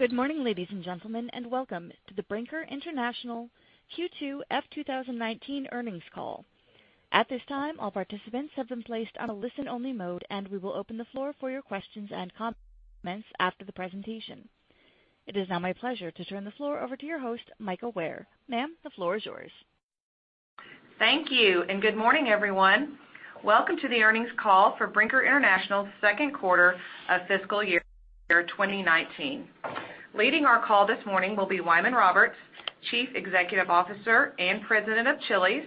Good morning, ladies and gentlemen, welcome to the Brinker International Q2 F 2019 earnings call. At this time, all participants have been placed on a listen-only mode, we will open the floor for your questions and comments after the presentation. It is now my pleasure to turn the floor over to your host, Mika Ware. Ma'am, the floor is yours. Thank you, good morning, everyone. Welcome to the earnings call for Brinker International's second quarter of fiscal year 2019. Leading our call this morning will be Wyman Roberts, Chief Executive Officer and President of Chili's,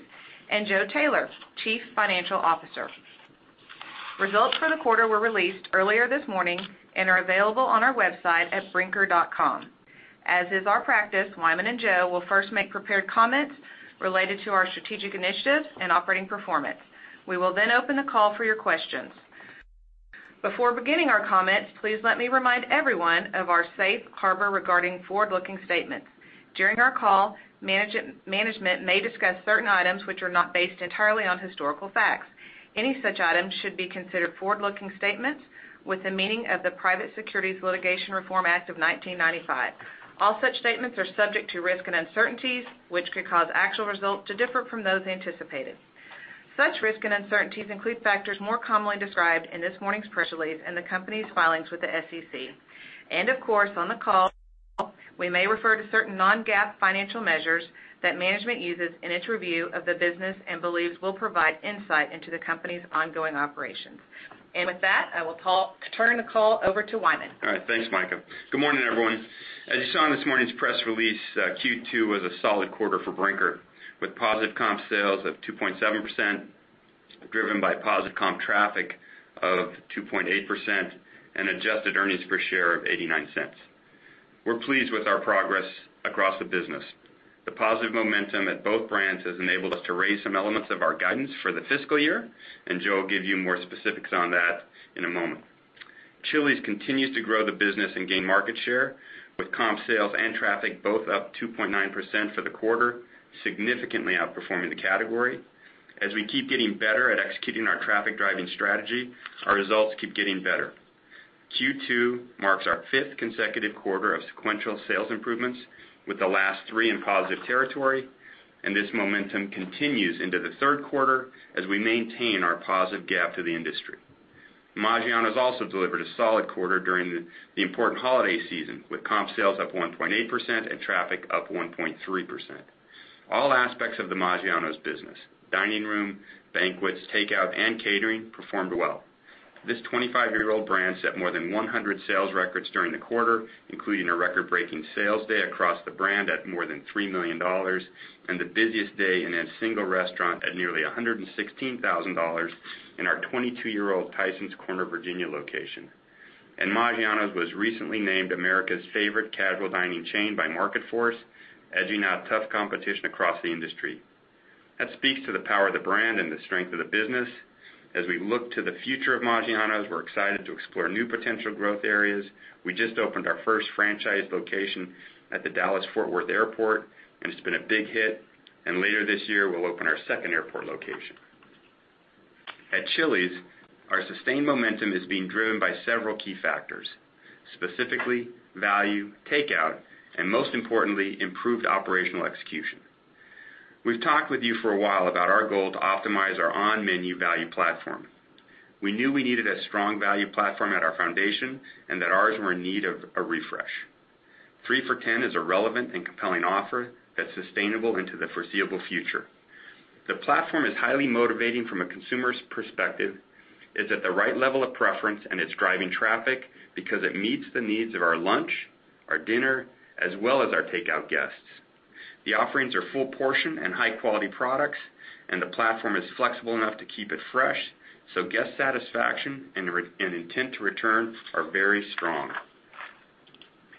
Joe Taylor, Chief Financial Officer. Results for the quarter were released earlier this morning and are available on our website at brinker.com. As is our practice, Wyman and Joe will first make prepared comments related to our strategic initiatives and operating performance. We will then open the call for your questions. Before beginning our comments, please let me remind everyone of our safe harbor regarding forward-looking statements. During our call, management may discuss certain items which are not based entirely on historical facts. Any such items should be considered forward-looking statements with the meaning of the Private Securities Litigation Reform Act of 1995. All such statements are subject to risks and uncertainties, which could cause actual results to differ from those anticipated. Such risks and uncertainties include factors more commonly described in this morning's press release in the company's filings with the SEC. Of course, on the call, we may refer to certain non-GAAP financial measures that management uses in its review of the business and believes will provide insight into the company's ongoing operations. With that, I will turn the call over to Wyman. All right. Thanks, Mika. Good morning, everyone. As you saw in this morning's press release, Q2 was a solid quarter for Brinker, with positive comp sales of 2.7%, driven by positive comp traffic of 2.8% and adjusted earnings per share of $0.89. We're pleased with our progress across the business. The positive momentum at both brands has enabled us to raise some elements of our guidance for the fiscal year, Joe will give you more specifics on that in a moment. Chili's continues to grow the business and gain market share, with comp sales and traffic both up 2.9% for the quarter, significantly outperforming the category. As we keep getting better at executing our traffic-driving strategy, our results keep getting better. Q2 marks our fifth consecutive quarter of sequential sales improvements, with the last three in positive territory. This momentum continues into the third quarter as we maintain our positive gap to the industry. Maggiano's also delivered a solid quarter during the important holiday season, with comp sales up 1.8% and traffic up 1.3%. All aspects of the Maggiano's business, dining room, banquets, takeout, and catering, performed well. This 25-year-old brand set more than 100 sales records during the quarter, including a record-breaking sales day across the brand at more than $3 million and the busiest day in a single restaurant at nearly $116,000 in our 22-year-old Tysons Corner, Virginia, location. Maggiano's was recently named America's favorite casual dining chain by Market Force, edging out tough competition across the industry. That speaks to the power of the brand and the strength of the business. As we look to the future of Maggiano's, we're excited to explore new potential growth areas. We just opened our first franchise location at the Dallas Fort Worth Airport. It's been a big hit. Later this year, we'll open our second airport location. At Chili's, our sustained momentum is being driven by several key factors, specifically value, takeout, and most importantly, improved operational execution. We've talked with you for a while about our goal to optimize our on-menu value platform. We knew we needed a strong value platform at our foundation and that ours were in need of a refresh. Three for $10 is a relevant and compelling offer that's sustainable into the foreseeable future. The platform is highly motivating from a consumer's perspective. It's at the right level of preference. It's driving traffic because it meets the needs of our lunch, our dinner, as well as our takeout guests. The offerings are full portion and high-quality products. The platform is flexible enough to keep it fresh, guest satisfaction and intent to return are very strong.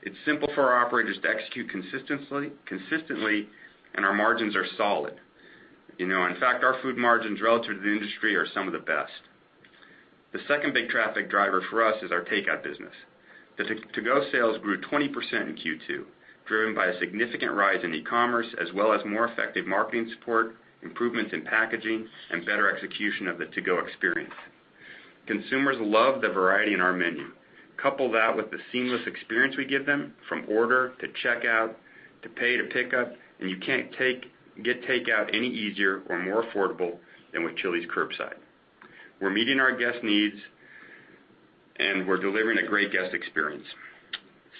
It's simple for our operators to execute consistently. Our margins are solid. In fact, our food margins relative to the industry are some of the best. The second big traffic driver for us is our takeout business. The to-go sales grew 20% in Q2, driven by a significant rise in e-commerce as well as more effective marketing support, improvements in packaging, and better execution of the to-go experience. Consumers love the variety in our menu. Couple that with the seamless experience we give them, from order to checkout to pay to pick up, you can't get takeout any easier or more affordable than with Chili's Curbside. We're meeting our guests' needs. We're delivering a great guest experience.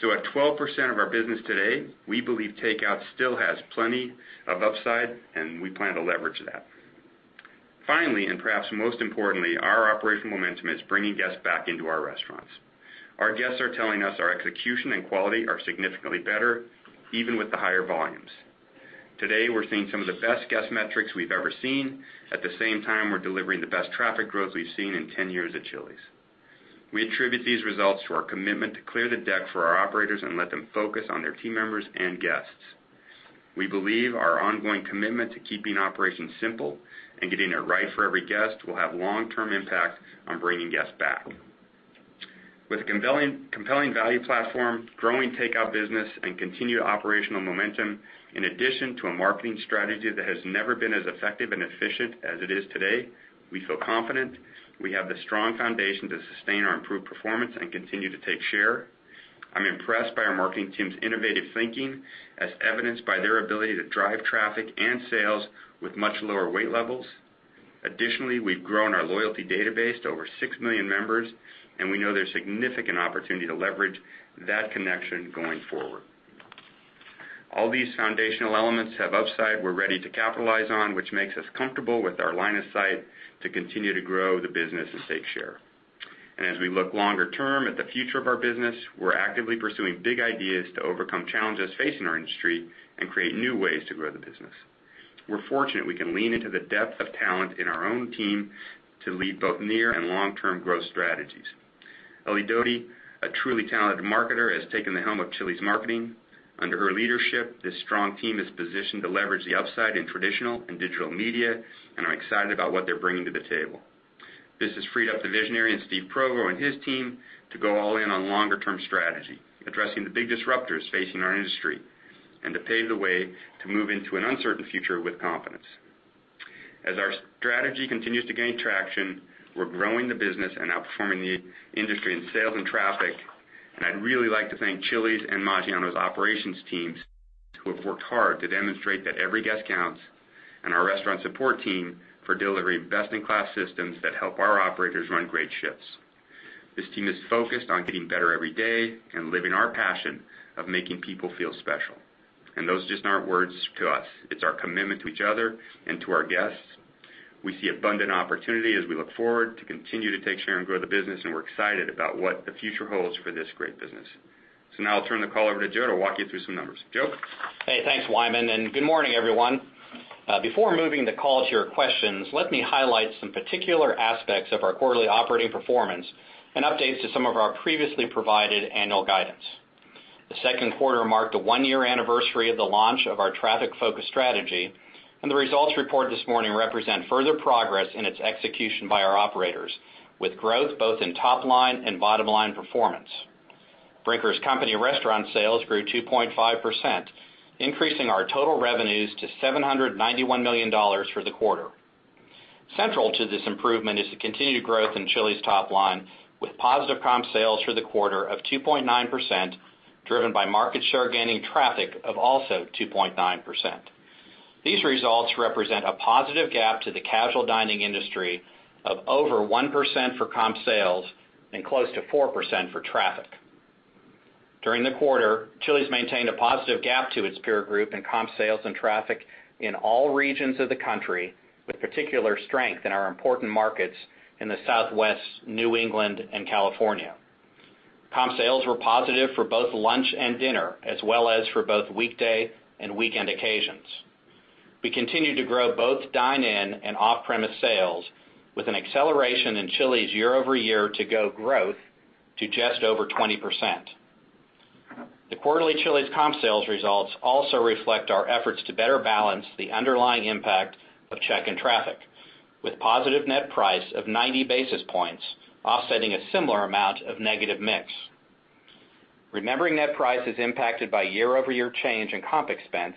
At 12% of our business today, we believe takeout still has plenty of upside. We plan to leverage that. Finally, perhaps most importantly, our operational momentum is bringing guests back into our restaurants. Our guests are telling us our execution and quality are significantly better, even with the higher volumes. Today, we're seeing some of the best guest metrics we've ever seen. At the same time, we're delivering the best traffic growth we've seen in 10 years at Chili's. We attribute these results to our commitment to clear the deck for our operators and let them focus on their team members and guests. We believe our ongoing commitment to keeping operations simple and getting it right for every guest will have long-term impact on bringing guests back. With a compelling value platform, growing takeout business, and continued operational momentum, in addition to a marketing strategy that has never been as effective and efficient as it is today. We feel confident we have the strong foundation to sustain our improved performance and continue to take share. I'm impressed by our marketing team's innovative thinking, as evidenced by their ability to drive traffic and sales with much lower weight levels. Additionally, we've grown our loyalty database to over 6 million members, and we know there's significant opportunity to leverage that connection going forward. All these foundational elements have upside we're ready to capitalize on, which makes us comfortable with our line of sight to continue to grow the business and take share. As we look longer term at the future of our business, we're actively pursuing big ideas to overcome challenges facing our industry and create new ways to grow the business. We're fortunate we can lean into the depth of talent in our own team to lead both near and long-term growth strategies. Ellie Doty, a truly talented marketer, has taken the helm of Chili's marketing. Under her leadership, this strong team is positioned to leverage the upside in traditional and digital media, and I'm excited about what they're bringing to the table. This has freed up the visionary in Steve Provost and his team to go all in on longer term strategy, addressing the big disruptors facing our industry, and to pave the way to move into an uncertain future with confidence. As our strategy continues to gain traction, we're growing the business and outperforming the industry in sales and traffic. I'd really like to thank Chili's and Maggiano's operations teams, who have worked hard to demonstrate that every guest counts, and our restaurant support team for delivering best-in-class systems that help our operators run great shifts. This team is focused on getting better every day and living our passion of making people feel special. Those just aren't words to us. It's our commitment to each other and to our guests. We see abundant opportunity as we look forward to continue to take share and grow the business, and we're excited about what the future holds for this great business. Now I'll turn the call over to Joe to walk you through some numbers. Joe? Hey, thanks, Wyman, and good morning, everyone. Before moving the call to your questions, let me highlight some particular aspects of our quarterly operating performance and updates to some of our previously provided annual guidance. The second quarter marked the one-year anniversary of the launch of our traffic-focused strategy, and the results reported this morning represent further progress in its execution by our operators, with growth both in top line and bottom line performance. Brinker's company restaurant sales grew 2.5%, increasing our total revenues to $791 million for the quarter. Central to this improvement is the continued growth in Chili's top line, with positive comp sales for the quarter of 2.9%, driven by market share gaining traffic of also 2.9%. These results represent a positive gap to the casual dining industry of over 1% for comp sales and close to 4% for traffic. During the quarter, Chili's maintained a positive gap to its peer group in comp sales and traffic in all regions of the country, with particular strength in our important markets in the Southwest, New England, and California. Comp sales were positive for both lunch and dinner, as well as for both weekday and weekend occasions. We continued to grow both dine-in and off-premise sales with an acceleration in Chili's year-over-year to-go growth to just over 20%. The quarterly Chili's comp sales results also reflect our efforts to better balance the underlying impact of check and traffic, with positive net price of 90 basis points offsetting a similar amount of negative mix. Remembering that price is impacted by year-over-year change in comp expense,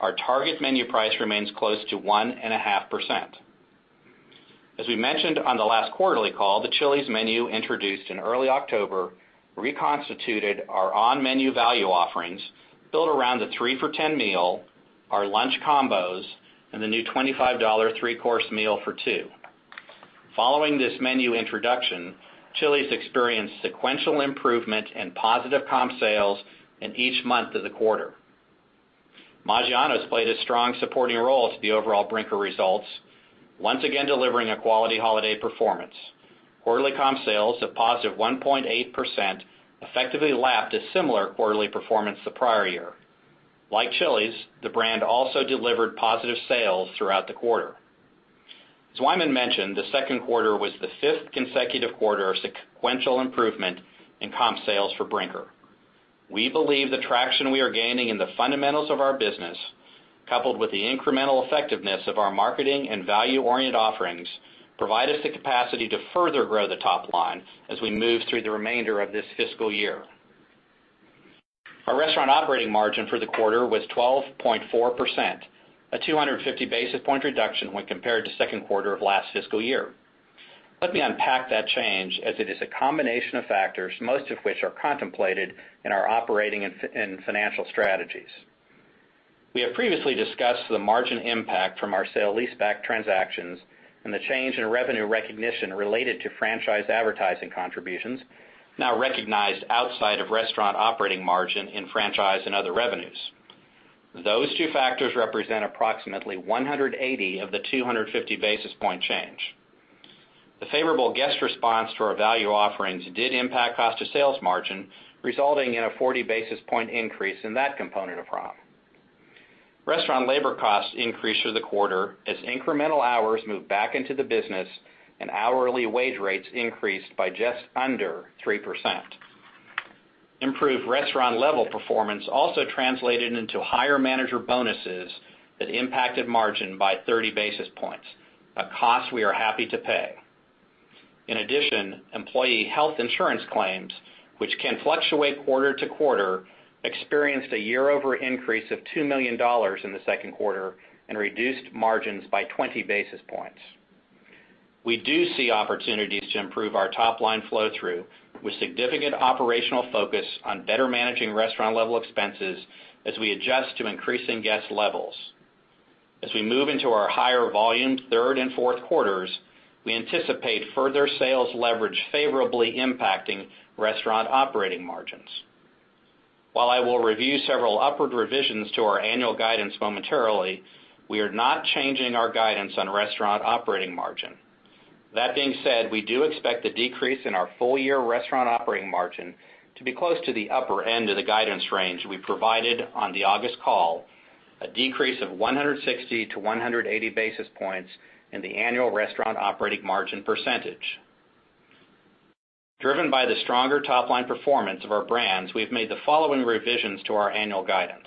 our target menu price remains close to 1.5%. As we mentioned on the last quarterly call, the Chili's menu introduced in early October reconstituted our on-menu value offerings built around the three for $10 meal, our Lunch Combos, and the new $25 three-course meal for two. Following this menu introduction, Chili's experienced sequential improvement in positive comp sales in each month of the quarter. Maggiano's played a strong supporting role to the overall Brinker results, once again delivering a quality holiday performance. Quarterly comp sales of positive 1.8% effectively lapped a similar quarterly performance the prior year. Like Chili's, the brand also delivered positive sales throughout the quarter. As Wyman mentioned, the second quarter was the fifth consecutive quarter of sequential improvement in comp sales for Brinker. We believe the traction we are gaining in the fundamentals of our business, coupled with the incremental effectiveness of our marketing and value-oriented offerings, provide us the capacity to further grow the top line as we move through the remainder of this fiscal year. Our restaurant operating margin for the quarter was 12.4%, a 250 basis point reduction when compared to second quarter of last fiscal year. Let me unpack that change, as it is a combination of factors, most of which are contemplated in our operating and financial strategies. We have previously discussed the margin impact from our sale leaseback transactions and the change in revenue recognition related to franchise advertising contributions, now recognized outside of restaurant operating margin in franchise and other revenues. Those two factors represent approximately 180 of the 250-basis point change. The favorable guest response to our value offerings did impact cost to sales margin, resulting in a 40-basis point increase in that component of comp. Restaurant labor costs increased through the quarter as incremental hours moved back into the business and hourly wage rates increased by just under 3%. Improved restaurant level performance also translated into higher manager bonuses that impacted margin by 30 basis points, a cost we are happy to pay. In addition, employee health insurance claims, which can fluctuate quarter to quarter, experienced a year-over increase of $2 million in the second quarter and reduced margins by 20 basis points. We do see opportunities to improve our top-line flow-through with significant operational focus on better managing restaurant-level expenses as we adjust to increasing guest levels. As we move into our higher volume, third and fourth quarters, we anticipate further sales leverage favorably impacting restaurant operating margins. While I will review several upward revisions to our annual guidance momentarily, we are not changing our guidance on restaurant operating margin. That being said, we do expect the decrease in our full-year restaurant operating margin to be close to the upper end of the guidance range we provided on the August call, a decrease of 160-180 basis points in the annual restaurant operating margin percentage. Driven by the stronger top-line performance of our brands, we've made the following revisions to our annual guidance.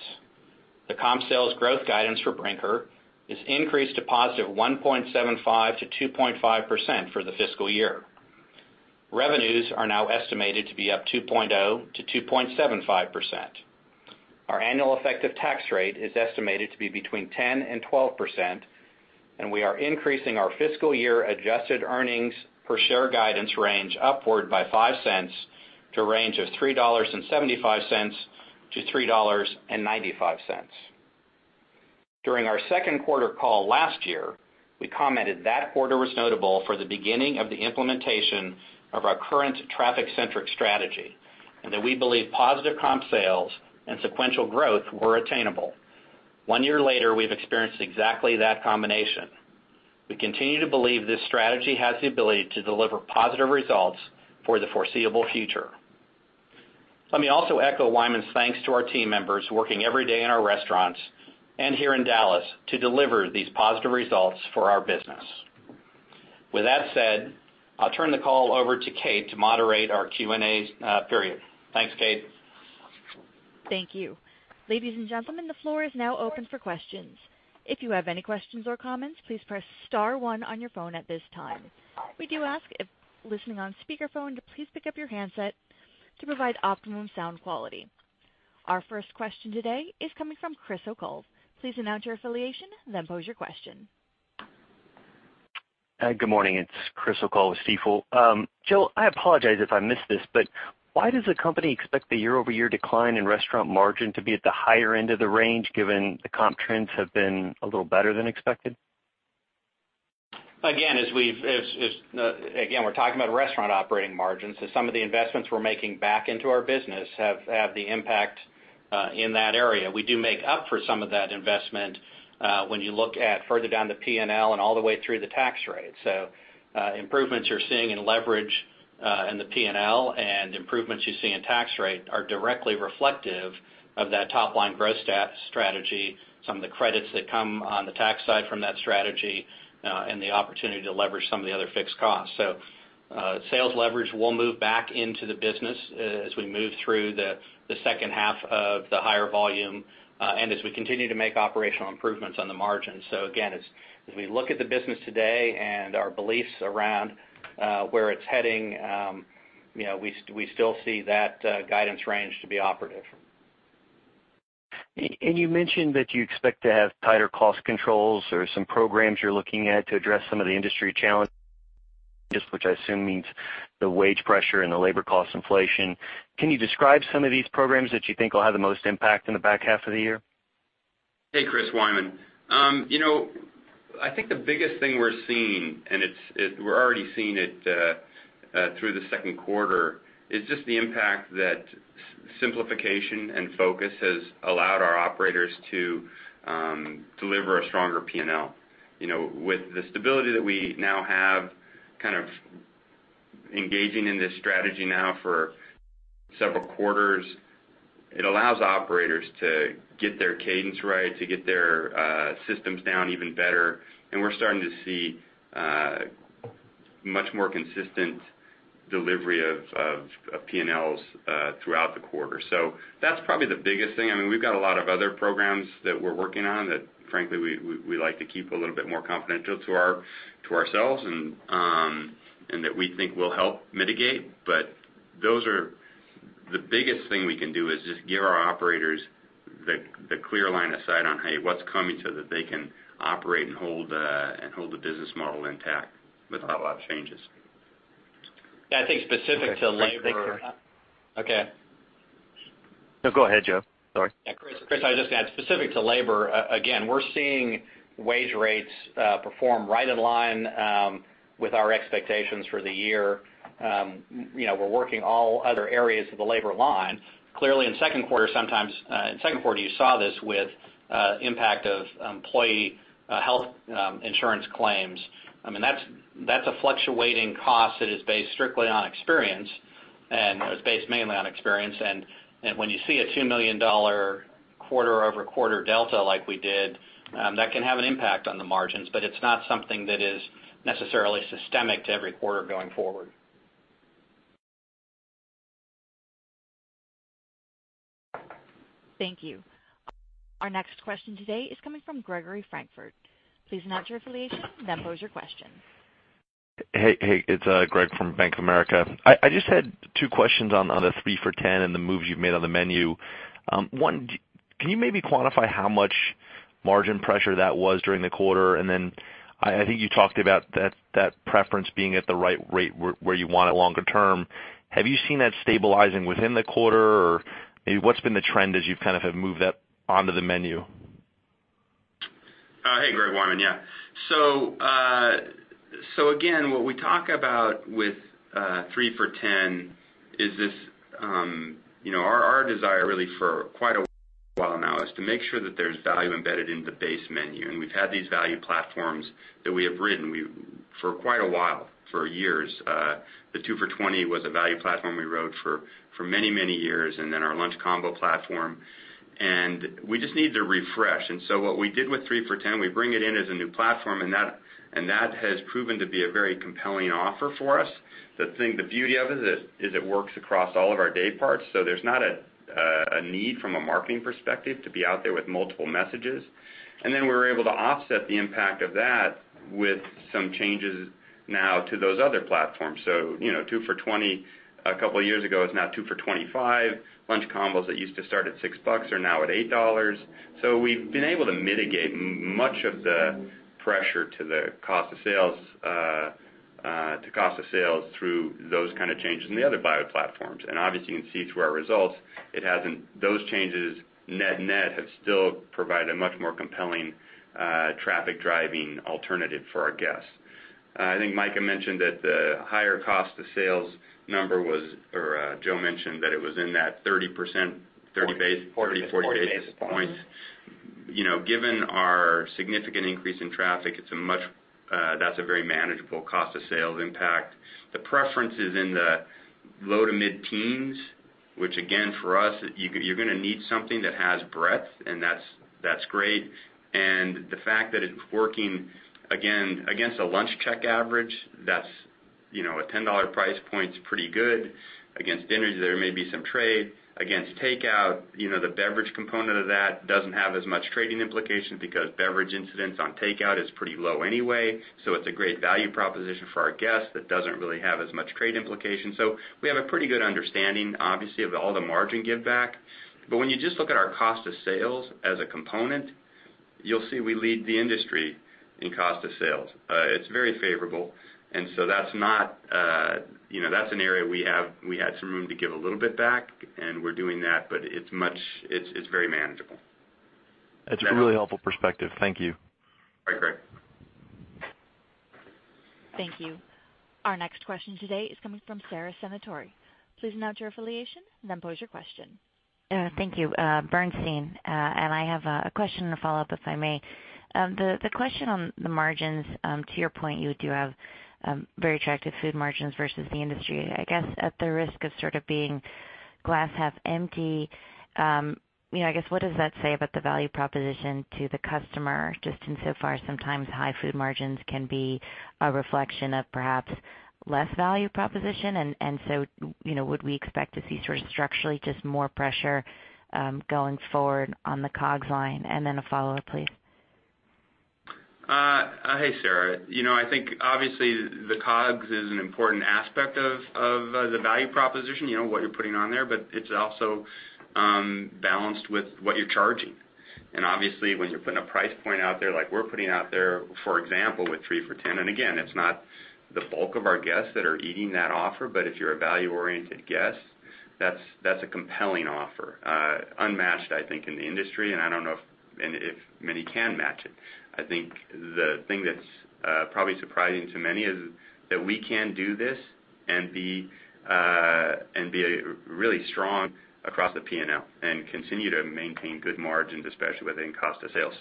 The comp sales growth guidance for Brinker is increased to positive 1.75%-2.5% for the fiscal year. Revenues are now estimated to be up 2.0%-2.75%. Our annual effective tax rate is estimated to be between 10% and 12%. We are increasing our fiscal year adjusted earnings per share guidance range upward by $0.05 to a range of $3.75-$3.95. During our second quarter call last year, we commented that quarter was notable for the beginning of the implementation of our current traffic-centric strategy, and that we believe positive comp sales and sequential growth were attainable. One year later, we've experienced exactly that combination. We continue to believe this strategy has the ability to deliver positive results for the foreseeable future. Let me also echo Wyman's thanks to our team members working every day in our restaurants and here in Dallas to deliver these positive results for our business. That said, I'll turn the call over to Kate to moderate our Q&A period. Thanks, Kate. Thank you. Ladies and gentlemen, the floor is now open for questions. If you have any questions or comments, please press star one on your phone at this time. We do ask if listening on speakerphone to please pick up your handset to provide optimum sound quality. Our first question today is coming from Chris O'Cull. Please announce your affiliation, then pose your question. Good morning. It's Chris O'Cull with Stifel. Joe, I apologize if I missed this. Why does the company expect the year-over-year decline in restaurant margin to be at the higher end of the range, given the comp trends have been a little better than expected? Again, we're talking about restaurant operating margins. Some of the investments we're making back into our business have had the impact in that area. We do make up for some of that investment when you look at further down the P&L and all the way through the tax rate. Improvements you're seeing in leverage in the P&L and improvements you see in tax rate are directly reflective of that top-line growth strategy, some of the credits that come on the tax side from that strategy, and the opportunity to leverage some of the other fixed costs. Sales leverage will move back into the business as we move through the second half of the higher volume, and as we continue to make operational improvements on the margin. Again, as we look at the business today and our beliefs around where it's heading, we still see that guidance range to be operative. You mentioned that you expect to have tighter cost controls or some programs you're looking at to address some of the industry challenges, which I assume means the wage pressure and the labor cost inflation. Can you describe some of these programs that you think will have the most impact in the back half of the year? Hey, Chris. Wyman. I think the biggest thing we're seeing, we're already seeing it through the second quarter, is just the impact that simplification and focus has allowed our operators to deliver a stronger P&L. With the stability that we now have, kind of engaging in this strategy now for several quarters, it allows operators to get their cadence right, to get their systems down even better, and we're starting to see much more consistent delivery of P&Ls throughout the quarter. That's probably the biggest thing. We've got a lot of other programs that we're working on that frankly, we like to keep a little bit more confidential to ourselves and that we think will help mitigate. The biggest thing we can do is just give our operators the clear line of sight on, "Hey, what's coming?" They can operate and hold the business model intact without a lot of changes. Yeah, I think specific to labor- Okay. Thank you. Okay. No, go ahead, Joe. Sorry. Chris, I was just going to add, specific to labor, again, we're seeing wage rates perform right in line with our expectations for the year. We're working all other areas of the labor line. Clearly, in the second quarter you saw this with impact of employee health insurance claims. That's a fluctuating cost that is based strictly on experience, and it was based mainly on experience, and when you see a $2 million quarter-over-quarter delta like we did, that can have an impact on the margins. It's not something that is necessarily systemic to every quarter going forward. Thank you. Our next question today is coming from Gregory Francfort. Please announce your affiliation, then pose your question. It's Greg from Bank of America. I just had two questions on the three for $10 and the moves you've made on the menu. Can you maybe quantify how much margin pressure that was during the quarter? I think you talked about that preference being at the right rate where you want it longer term. Have you seen that stabilizing within the quarter? Maybe what's been the trend as you kind of have moved that onto the menu? Hey, Greg, Wyman here. Again, what we talk about with three for $10 is our desire really for quite a while now is to make sure that there's value embedded in the base menu. We've had these value platforms that we have ridden for quite a while, for years. The two for $20 was a value platform we rode for many years, then our Lunch Combos platform. We just need to refresh. What we did with 3 for Me, we bring it in as a new platform, that has proven to be a very compelling offer for us. The beauty of it is it works across all of our day parts, there's not a need from a marketing perspective to be out there with multiple messages. We're able to offset the impact of that with some changes now to those other platforms. Two for $20 a couple of years ago is now two for $25. Lunch Combos that used to start at $6 are now at $8. We've been able to mitigate much of the pressure to cost of sales through those kind of change in the other value platforms. Obviously, you can see through our results, those changes net have still provided a much more compelling traffic-driving alternative for our guests. I think Mika mentioned that the higher cost of sales number was-- or Joe mentioned that it was in that 30% base- 40 basis points 40 basis points. Given our significant increase in traffic, that's a very manageable cost of sales impact. The preference is in the low to mid teens, which again, for us, you're going to need something that has breadth, and that's great. The fact that it's working, again, against a lunch check average, a $10 price point's pretty good. Against dinners, there may be some trade. Against takeout, the beverage component of that doesn't have as much trading implications because beverage incidence on takeout is pretty low anyway. It's a great value proposition for our guests that doesn't really have as much trade implication. We have a pretty good understanding, obviously, of all the margin give back. When you just look at our cost of sales as a component, you'll see we lead the industry in cost of sales. It's very favorable, that's an area we had some room to give a little bit back, we're doing that, it's very manageable. That's a really helpful perspective. Thank you. Bye, Greg. Thank you. Our next question today is coming from Sara Senatore. Please announce your affiliation, and then pose your question. Thank you. Bernstein. I have a question and a follow-up, if I may. The question on the margins, to your point, you do have very attractive food margins versus the industry. I guess at the risk of sort of being glass half empty, I guess what does that say about the value proposition to the customer, just insofar sometimes high food margins can be a reflection of perhaps less value proposition? Would we expect to see sort of structurally just more pressure going forward on the COGS line? Then a follow-up, please. Hey, Sara. I think obviously the COGS is an important aspect of the value proposition, what you're putting on there, but it's also balanced with what you're charging. Obviously, when you're putting a price point out there, like we're putting out there, for example, with three for $10, and again, it's not the bulk of our guests that are eating that offer, but if you're a value-oriented guest, that's a compelling offer. Unmatched, I think, in the industry, and I don't know if many can match it. I think the thing that's probably surprising to many is that we can do this and be really strong across the P&L and continue to maintain good margins, especially within cost of sale.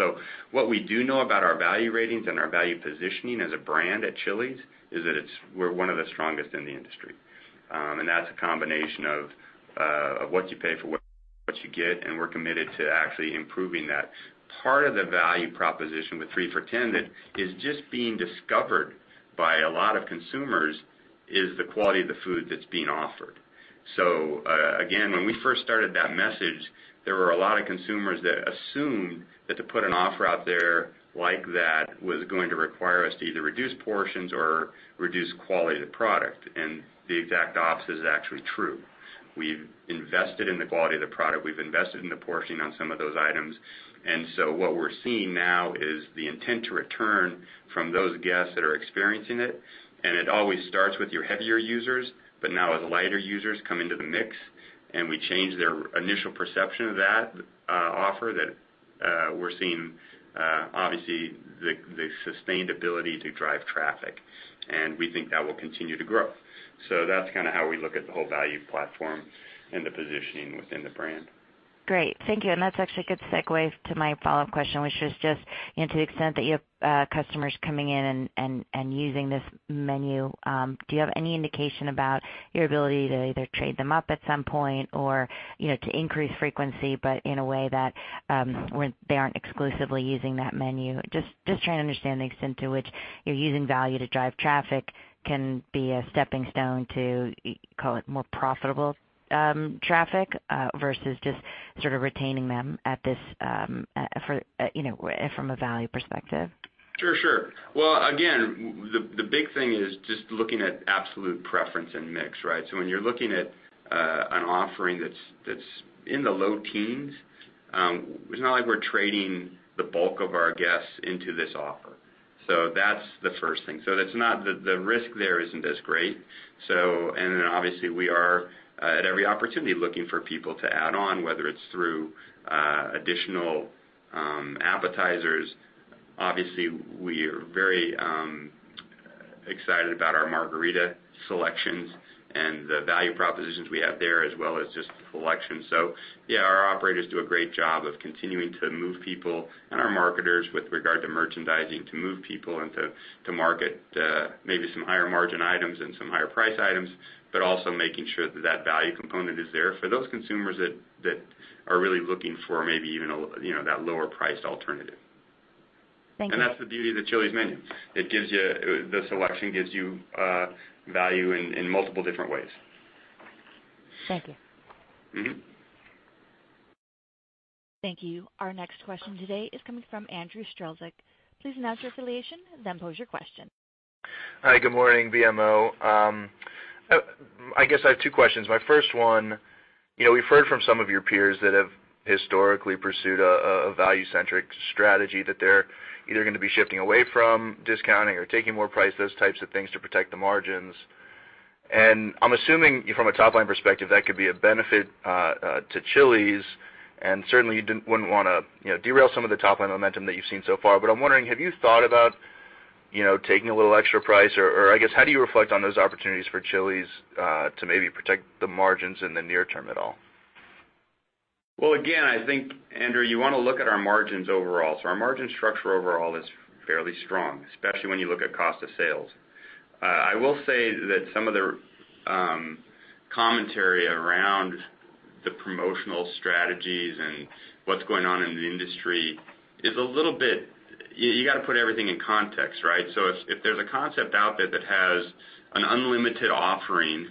What we do know about our value ratings and our value positioning as a brand at Chili's is that we're one of the strongest in the industry. That's a combination of what you pay for what you get, and we're committed to actually improving that. Part of the value proposition with three for $10 that is just being discovered by a lot of consumers is the quality of the food that's being offered. Again, when we first started that message, there were a lot of consumers that assumed that to put an offer out there like that was going to require us to either reduce portions or reduce quality of the product, and the exact opposite is actually true. We've invested in the quality of the product. We've invested in the portioning on some of those items. What we're seeing now is the intent to return from those guests that are experiencing it. It always starts with your heavier users, but now as lighter users come into the mix and we change their initial perception of that offer that we're seeing, obviously, the sustained ability to drive traffic, and we think that will continue to grow. That's kind of how we look at the whole value platform and the positioning within the brand. Great. Thank you. That's actually a good segue to my follow-up question, which was just, to the extent that you have customers coming in and using this menu, do you have any indication about your ability to either trade them up at some point or to increase frequency, but in a way that where they aren't exclusively using that menu? Just trying to understand the extent to which you're using value to drive traffic can be a steppingstone to, call it, more profitable traffic versus just sort of retaining them from a value perspective. Sure. Well, again, the big thing is just looking at absolute preference and mix, right? When you're looking at an offering that's in the low teens, it's not like we're trading the bulk of our guests into this offer. That's the first thing. The risk there isn't as great. Obviously, we are, at every opportunity, looking for people to add on, whether it's through additional appetizers. Obviously, we are very excited about our margarita selections and the value propositions we have there, as well as just the selection. Yeah, our operators do a great job of continuing to move people, and our marketers with regard to merchandising, to move people and to market maybe some higher margin items and some higher price items. Also making sure that value component is there for those consumers that are really looking for maybe even that lower priced alternative. Thank you. That's the beauty of the Chili's menu. The selection gives you value in multiple different ways. Thank you. Thank you. Our next question today is coming from Andrew Strelzik. Please announce your affiliation, then pose your question. Hi, good morning, BMO. I guess I have two questions. My first one, we've heard from some of your peers that have historically pursued a value-centric strategy, that they're either going to be shifting away from discounting or taking more price, those types of things, to protect the margins. I'm assuming from a top line perspective, that could be a benefit to Chili's and certainly you wouldn't want to derail some of the top line momentum that you've seen so far. I'm wondering, have you thought about taking a little extra price? I guess, how do you reflect on those opportunities for Chili's to maybe protect the margins in the near term at all? Well, again, I think, Andrew, you want to look at our margins overall. Our margin structure overall is fairly strong, especially when you look at cost of sales. I will say that some of the commentary around the promotional strategies and what's going on in the industry is a little bit, you got to put everything in context, right? If there's a concept out there that has an unlimited offering,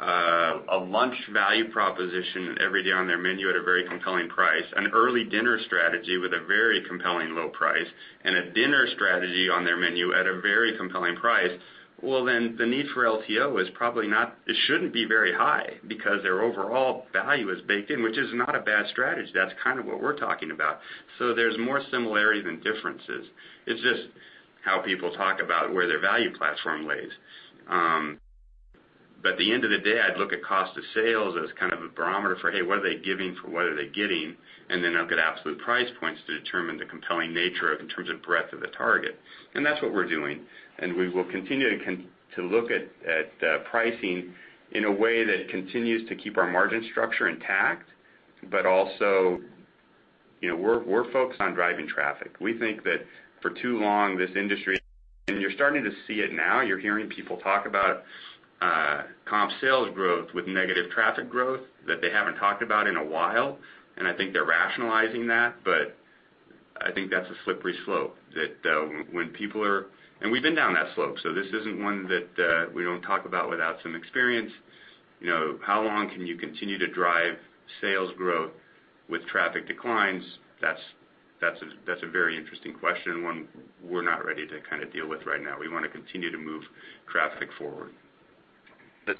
a lunch value proposition every day on their menu at a very compelling price, an early dinner strategy with a very compelling low price, and a dinner strategy on their menu at a very compelling price, well, then the need for LTO is probably not, it shouldn't be very high because their overall value is baked in, which is not a bad strategy. That's kind of what we're talking about. There's more similarity than differences. It's just how people talk about where their value platform lays. At the end of the day, I'd look at cost of sales as kind of a barometer for, hey, what are they giving for what are they getting? Then I'll get absolute price points to determine the compelling nature of in terms of breadth of the target. That's what we're doing, and we will continue to look at pricing in a way that continues to keep our margin structure intact. Also, we're focused on driving traffic. We think that for too long, this industry, and you're starting to see it now, you're hearing people talk about comp sales growth with negative traffic growth that they haven't talked about in a while. I think they're rationalizing that. I think that's a slippery slope. We've been down that slope, so this isn't one that we don't talk about without some experience. How long can you continue to drive sales growth with traffic declines? That's a very interesting question, one we're not ready to kind of deal with right now. We want to continue to move traffic forward.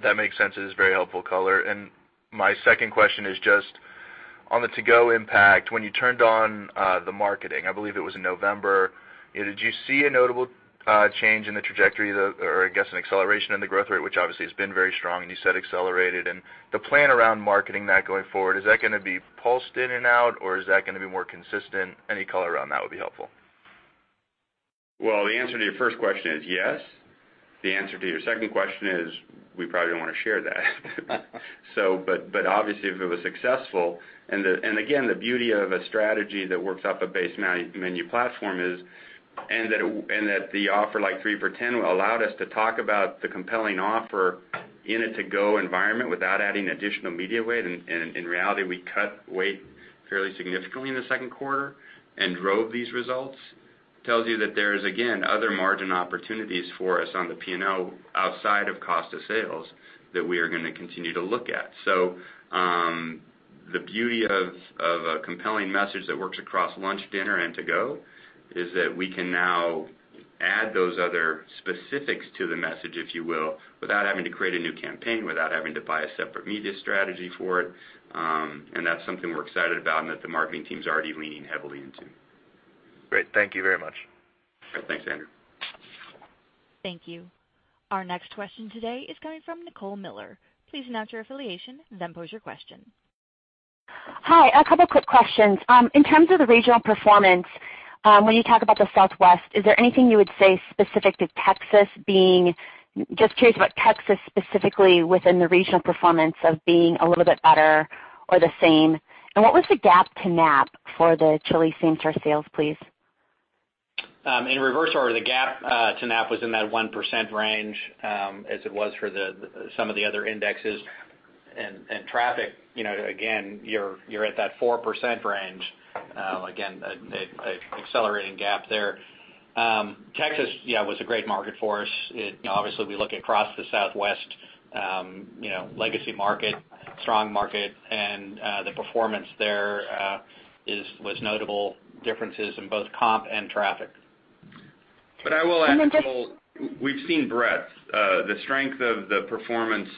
That makes sense. It is very helpful color. My second question is just on the to-go impact. When you turned on the marketing, I believe it was in November, did you see a notable change in the trajectory or I guess an acceleration in the growth rate, which obviously has been very strong and you said accelerated. The plan around marketing that going forward, is that going to be pulsed in and out or is that going to be more consistent? Any color around that would be helpful. Well, the answer to your first question is yes. The answer to your second question is we probably don't want to share that. Obviously if it was successful, again, the beauty of a strategy that works off a base menu platform is, that the offer like three for $10 allowed us to talk about the compelling offer in a to-go environment without adding additional media weight. In reality, we cut weight fairly significantly in the second quarter and drove these results. Tells you that there is, again, other margin opportunities for us on the P&L outside of cost of sales that we are going to continue to look at. The beauty of a compelling message that works across lunch, dinner, and to-go is that we can now add those other specifics to the message, if you will, without having to create a new campaign, without having to buy a separate media strategy for it. That's something we're excited about and that the marketing team's already leaning heavily into. Great. Thank you very much. Thanks, Andrew. Thank you. Our next question today is coming from Nicole Miller. Please announce your affiliation, then pose your question. Hi. A couple quick questions. In terms of the regional performance when you talk about the Southwest, is there anything you would say specific to Texas just curious about Texas specifically within the regional performance of being a little bit better or the same. What was the gap to Knapp-Track for the Chili's same-store sales, please? In reverse order, the gap to Knapp-Track was in that 1% range, as it was for some of the other indexes. Traffic, again, you're at that 4% range. Again, the accelerating gap there. Texas, yeah, was a great market for us. Obviously, we look across the Southwest, legacy market, strong market, the performance there was notable differences in both comp and traffic. I will add, Nicole, we've seen breadth. The strength of the performance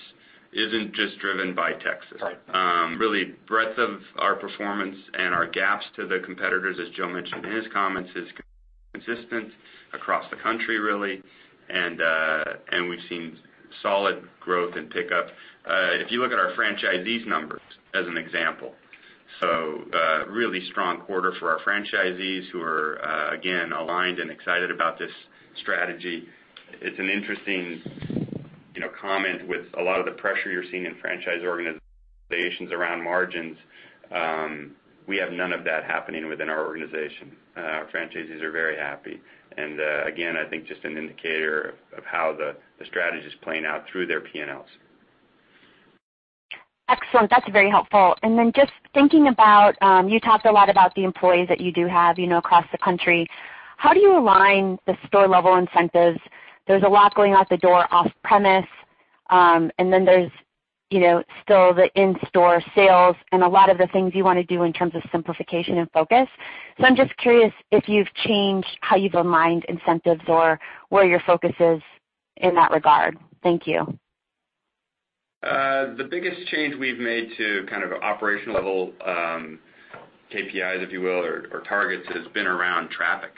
isn't just driven by Texas. Right. Really breadth of our performance and our gaps to the competitors, as Joe mentioned in his comments, is consistent across the country, really. We've seen solid growth and pickup. If you look at our franchisees numbers as an example, a really strong quarter for our franchisees who are, again, aligned and excited about this strategy. It's an interesting comment with a lot of the pressure you're seeing in franchise organizations around margins. We have none of that happening within our organization. Our franchisees are very happy. Again, I think just an indicator of how the strategy's playing out through their P&Ls. Excellent. That's very helpful. Just thinking about, you talked a lot about the employees that you do have across the country. How do you align the store-level incentives? There's a lot going out the door off-premise, and then there's still the in-store sales and a lot of the things you want to do in terms of simplification and focus. I'm just curious if you've changed how you've aligned incentives or where your focus is in that regard. Thank you. The biggest change we've made to kind of operational level KPIs, if you will, or targets, has been around traffic.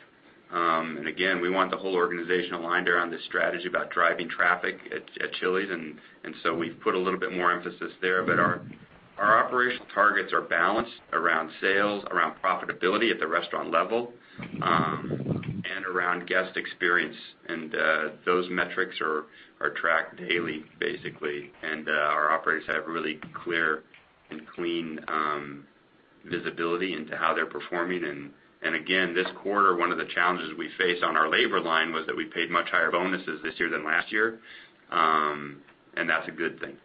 Again, we want the whole organization aligned around this strategy about driving traffic at Chili's, We've put a little bit more emphasis there. Our operational targets are balanced around sales, around profitability at the restaurant level, and around guest experience. Those metrics are tracked daily, basically. Our operators have really clear and clean visibility into how they're performing. Again, this quarter, one of the challenges we faced on our labor line was that we paid much higher bonuses this year than last year. That's a good thing.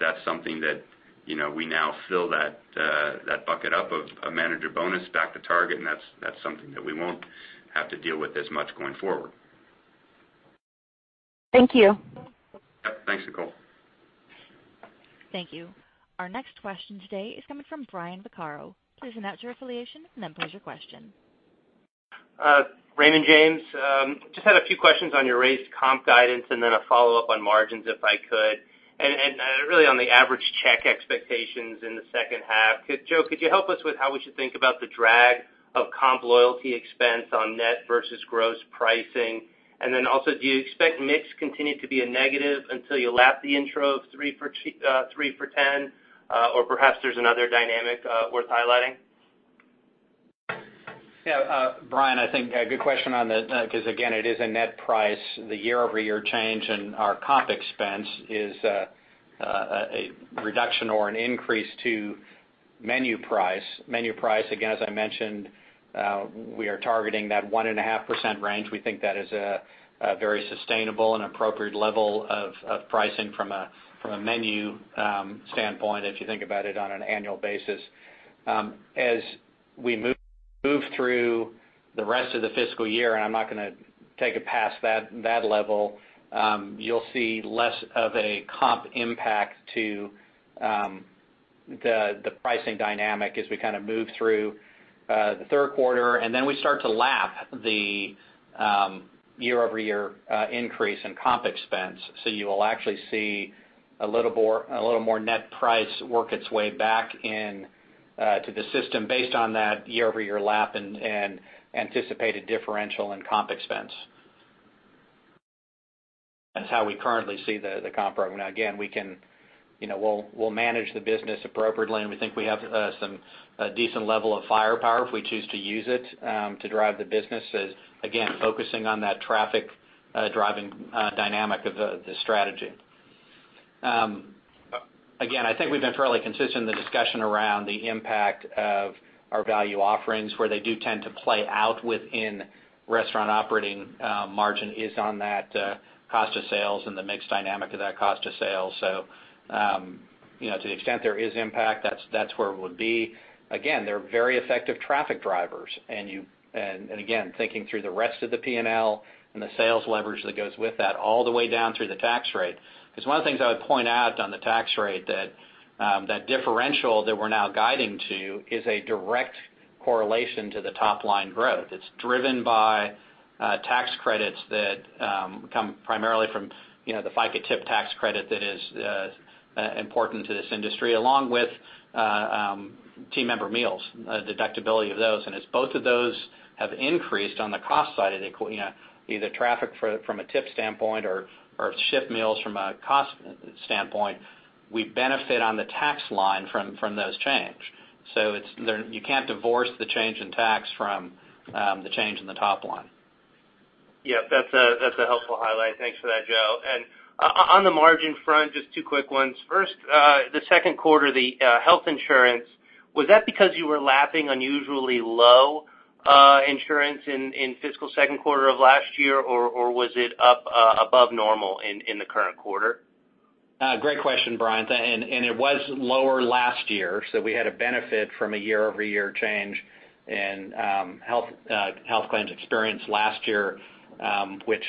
That's something that we now fill that bucket up of manager bonus back to target, and that's something that we won't have to deal with as much going forward. Thank you. Yep. Thanks, Nicole. Thank you. Our next question today is coming from Brian Vaccaro. Please state your affiliation and then pose your question. Raymond James. Just had a few questions on your raised comp guidance and then a follow-up on margins, if I could. Really on the average check expectations in the second half. Joe, could you help us with how we should think about the drag of comp loyalty expense on net versus gross pricing? Then also, do you expect mix continue to be a negative until you lap the intro of three for $10, or perhaps there's another dynamic worth highlighting? Yeah, Brian, I think a good question on that because, again, it is a net price. The year-over-year change in our comp expense is a reduction or an increase to menu price. Menu price, again, as I mentioned, we are targeting that 1.5% range. We think that is a very sustainable and appropriate level of pricing from a menu standpoint, if you think about it on an annual basis. As we move through the rest of the fiscal year, and I'm not going to take it past that level, you'll see less of a comp impact to the pricing dynamic as we kind of move through the third quarter. Then we start to lap the year-over-year increase in comp expense. You will actually see a little more net price work its way back in to the system based on that year-over-year lap and anticipated differential in comp expense. That's how we currently see the comp program. Again, we'll manage the business appropriately, and we think we have some decent level of firepower if we choose to use it to drive the business. Again, focusing on that traffic driving dynamic of the strategy. Again, I think we've been fairly consistent in the discussion around the impact of our value offerings, where they do tend to play out within restaurant operating margin is on that cost of sales and the mix dynamic of that cost of sales. To the extent there is impact, that's where it would be. Again, they're very effective traffic drivers, and again, thinking through the rest of the P&L and the sales leverage that goes with that all the way down through the tax rate. One of the things I would point out on the tax rate, that differential that we're now guiding to is a direct correlation to the top-line growth. It's driven by tax credits that come primarily from the FICA tip tax credit that is important to this industry, along with team member meals, deductibility of those. It's both of those have increased on the cost side of the equation, either traffic from a tip standpoint or shift meals from a cost standpoint, we benefit on the tax line from those changes. You can't divorce the change in tax from the change in the top line. Yeah. That's a helpful highlight. Thanks for that, Joe. On the margin front, just two quick ones. First, the second quarter, the health insurance, was that because you were lapping unusually low insurance in fiscal second quarter of last year, or was it up above normal in the current quarter? Great question, Brian. It was lower last year, we had a benefit from a year-over-year change in health claims experience last year, which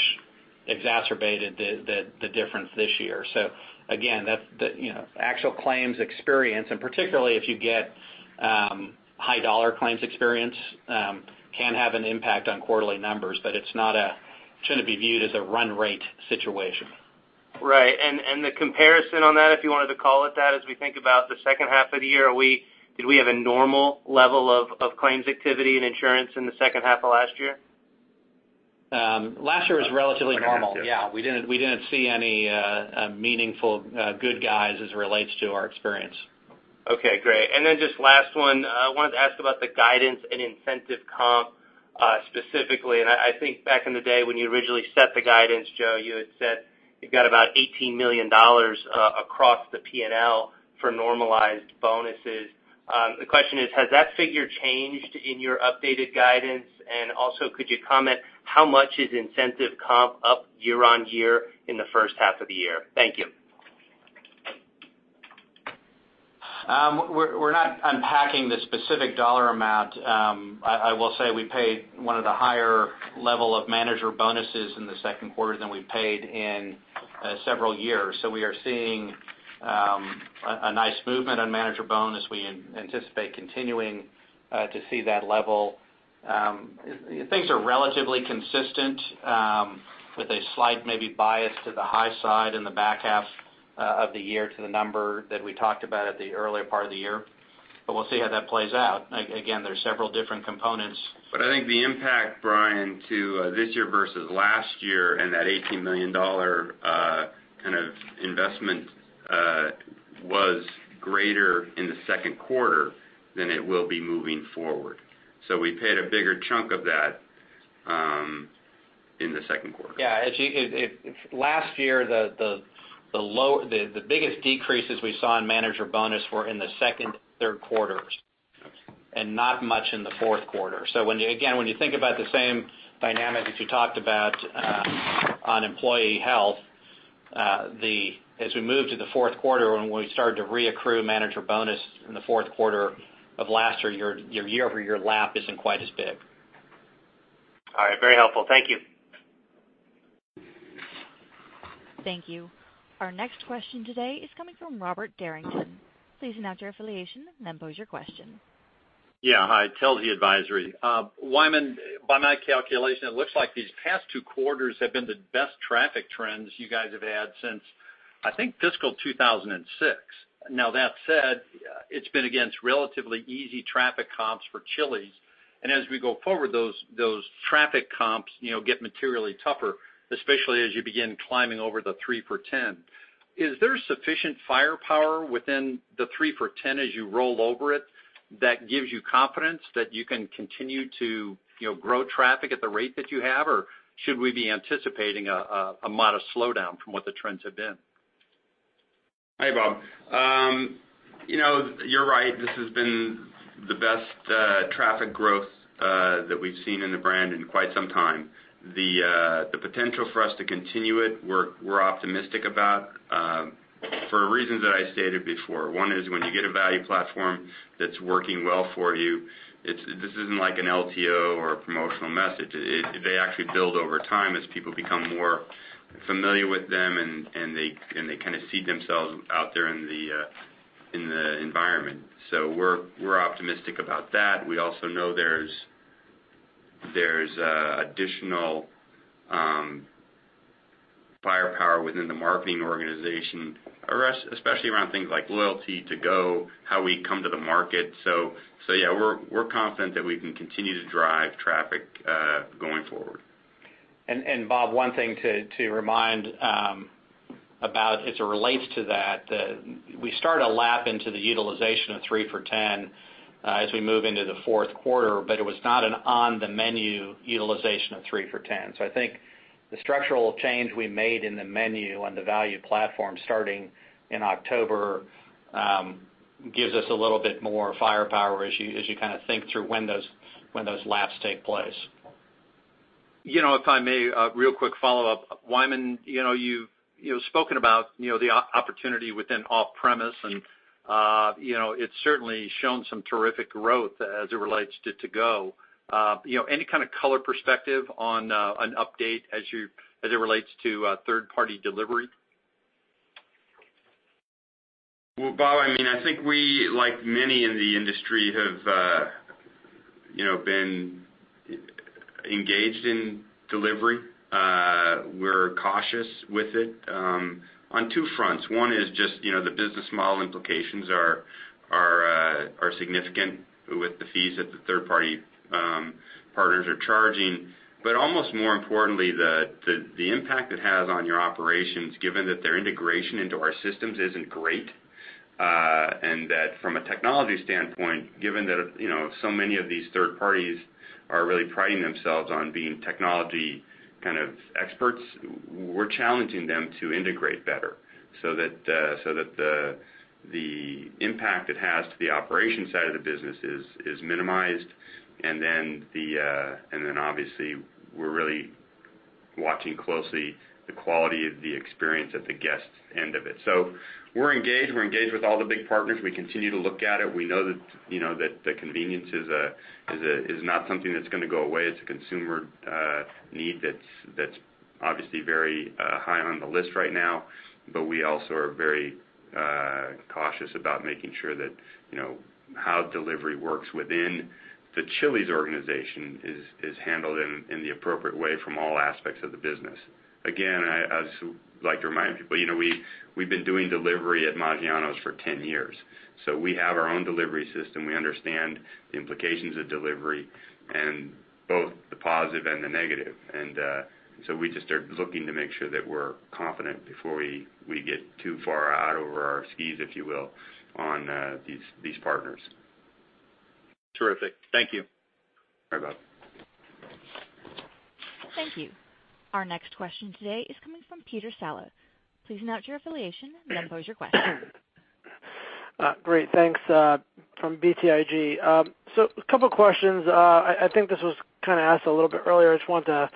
exacerbated the difference this year. Again, the actual claims experience, and particularly if you get high dollar claims experience, can have an impact on quarterly numbers, but it shouldn't be viewed as a run rate situation. Right. The comparison on that, if you wanted to call it that, as we think about the second half of the year, did we have a normal level of claims activity and insurance in the second half of last year? Last year was relatively normal. Yeah. We didn't see any meaningful good guys as it relates to our experience. Okay, great. Just last one, I wanted to ask about the guidance and incentive comp, specifically. I think back in the day when you originally set the guidance, Joe, you had said you've got about $18 million across the P&L for normalized bonuses. The question is: has that figure changed in your updated guidance? Also, could you comment how much is incentive comp up year-on-year in the first half of the year? Thank you. We're not unpacking the specific dollar amount. I will say we paid one of the higher level of manager bonuses in the second quarter than we've paid in several years. We are seeing a nice movement on manager bonus. We anticipate continuing to see that level. Things are relatively consistent, with a slight maybe bias to the high side in the back half of the year to the number that we talked about at the earlier part of the year. We'll see how that plays out. Again, there's several different components. I think the impact, Brian, to this year versus last year and that $18 million kind of investment, was greater in the second quarter than it will be moving forward. We paid a bigger chunk of that in the second quarter. Yeah. Last year, the biggest decreases we saw in manager bonus were in the second, third quarters. Okay. Not much in the fourth quarter. Again, when you think about the same dynamic as we talked about on employee health, as we move to the fourth quarter, when we started to reaccrue manager bonus in the fourth quarter of last year, your year-over-year lap isn't quite as big. All right. Very helpful. Thank you. Thank you. Our next question today is coming from Robert Derrington. Please announce your affiliation and then pose your question. Yeah. Hi. Telsey Advisory. Wyman, by my calculation, it looks like these past two quarters have been the best traffic trends you guys have had since, I think, fiscal 2006. That said, it's been against relatively easy traffic comps for Chili's. As we go forward, those traffic comps get materially tougher, especially as you begin climbing over the three for $10. Is there sufficient firepower within the three for $10 as you roll over it, that gives you confidence that you can continue to grow traffic at the rate that you have? Should we be anticipating a modest slowdown from what the trends have been? Hi, Bob. You're right, this has been the best traffic growth that we've seen in the brand in quite some time. The potential for us to continue it, we're optimistic about for reasons that I stated before. One is when you get a value platform that's working well for you, this isn't like an LTO or a promotional message. They actually build over time as people become more familiar with them, and they kind of see themselves out there in the environment. We're optimistic about that. We also know there's additional firepower within the marketing organization, especially around things like loyalty, to-go, how we come to the market. Yeah, we're confident that we can continue to drive traffic, going forward. Bob, one thing to remind about as it relates to that, we start a lap into the utilization of three for $10 as we move into the fourth quarter, it was not an on-the-menu utilization of three for $10. I think the structural change we made in the menu on the value platform starting in October gives us a little bit more firepower as you kind of think through when those laps take place. If I may, a real quick follow-up. Wyman, you've spoken about the opportunity within off-premise, and it's certainly shown some terrific growth as it relates to to-go. Any kind of color perspective on an update as it relates to third-party delivery? Well, Bob, I think we, like many in the industry, have been engaged in delivery. We're cautious with it on two fronts. One is just the business model implications are significant with the fees that the third-party partners are charging. Almost more importantly, the impact it has on your operations, given that their integration into our systems isn't great. That from a technology standpoint, given that so many of these third parties are really priding themselves on being technology kind of experts, we're challenging them to integrate better so that the impact it has to the operations side of the business is minimized. Obviously, we're really watching closely the quality of the experience at the guest end of it. We're engaged. We're engaged with all the big partners. We continue to look at it. We know that the convenience is not something that's going to go away. It's a consumer need that's obviously very high on the list right now. We also are very cautious about making sure that how delivery works within the Chili's organization is handled in the appropriate way from all aspects of the business. Again, I like to remind people, we've been doing delivery at Maggiano's for 10 years, so we have our own delivery system. We understand the implications of delivery, and both the positive and the negative. We just are looking to make sure that we're confident before we get too far out over our skis, if you will, on these partners. Terrific. Thank you. All right, bye. Thank you. Our next question today is coming from Peter Saleh. Please announce your affiliation and then pose your question. Great. Thanks. From BTIG. A couple questions. I think this was kind of asked a little bit earlier. I just wanted to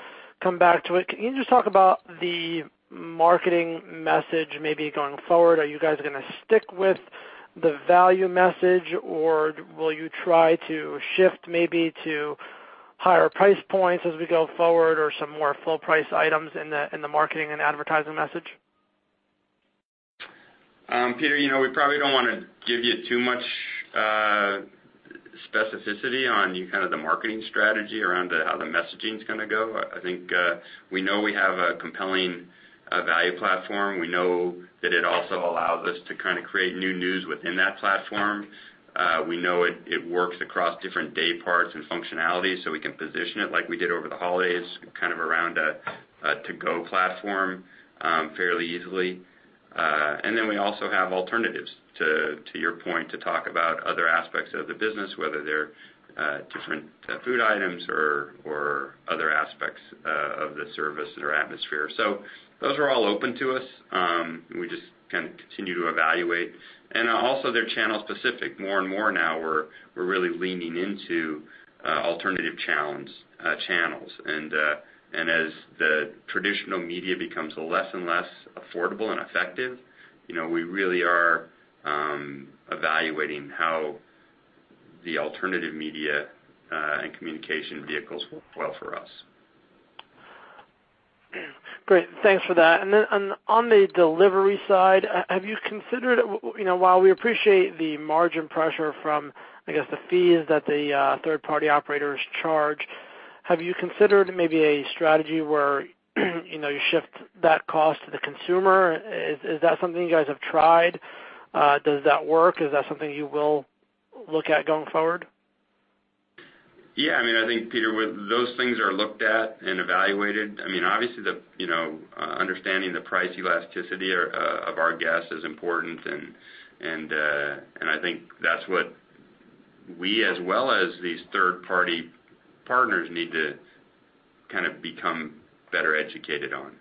come back to it. Can you just talk about the marketing message maybe going forward? Are you guys going to stick with the value message, or will you try to shift maybe to higher price points as we go forward, or some more full price items in the marketing and advertising message? Peter, we probably don't want to give you too much specificity on kind of the marketing strategy around how the messaging's going to go. I think we know we have a compelling value platform. We know that it also allows us to kind of create new news within that platform. We know it works across different day parts and functionalities, so we can position it like we did over the holidays, kind of around a to-go platform fairly easily. We also have alternatives, to your point, to talk about other aspects of the business, whether they're different food items or other aspects of the service or atmosphere. Those are all open to us. We just kind of continue to evaluate. Also, they're channel specific more and more now we're really leaning into alternative channels. As the traditional media becomes less and less affordable and effective, we really are evaluating how the alternative media and communication vehicles will flow for us. Great. Thanks for that. Then on the delivery side, while we appreciate the margin pressure from, I guess, the fees that the third party operators charge, have you considered maybe a strategy where you shift that cost to the consumer? Is that something you guys have tried? Does that work? Is that something you will look at going forward? Yeah, I think Peter, those things are looked at and evaluated. Obviously, understanding the price elasticity of our guests is important, and I think that's what we as well as these third-party partners need to kind of become better educated on.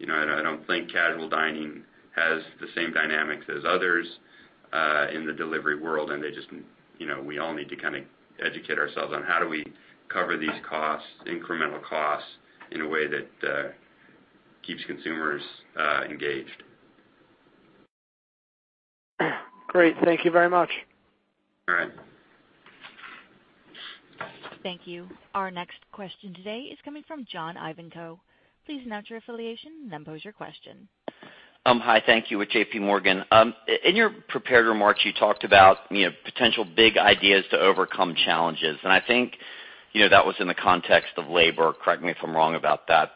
I don't think casual dining has the same dynamics as others in the delivery world, and we all need to kind of educate ourselves on how do we cover these costs, incremental costs in a way that keeps consumers engaged. Great. Thank you very much. All right. Thank you. Our next question today is coming from John Ivankoe. Please announce your affiliation and then pose your question. Hi. Thank you. With JPMorgan. In your prepared remarks, you talked about potential big ideas to overcome challenges, I think that was in the context of labor, correct me if I'm wrong about that.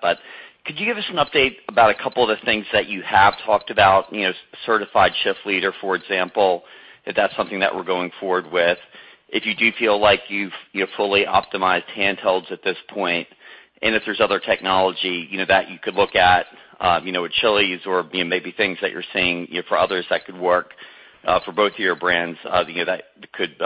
Could you give us an update about a couple of the things that you have talked about, Certified Shift Leader, for example, if that's something that we're going forward with. If you do feel like you've fully optimized handhelds at this point, and if there's other technology that you could look at with Chili's or maybe things that you're seeing for others that could work for both of your brands that could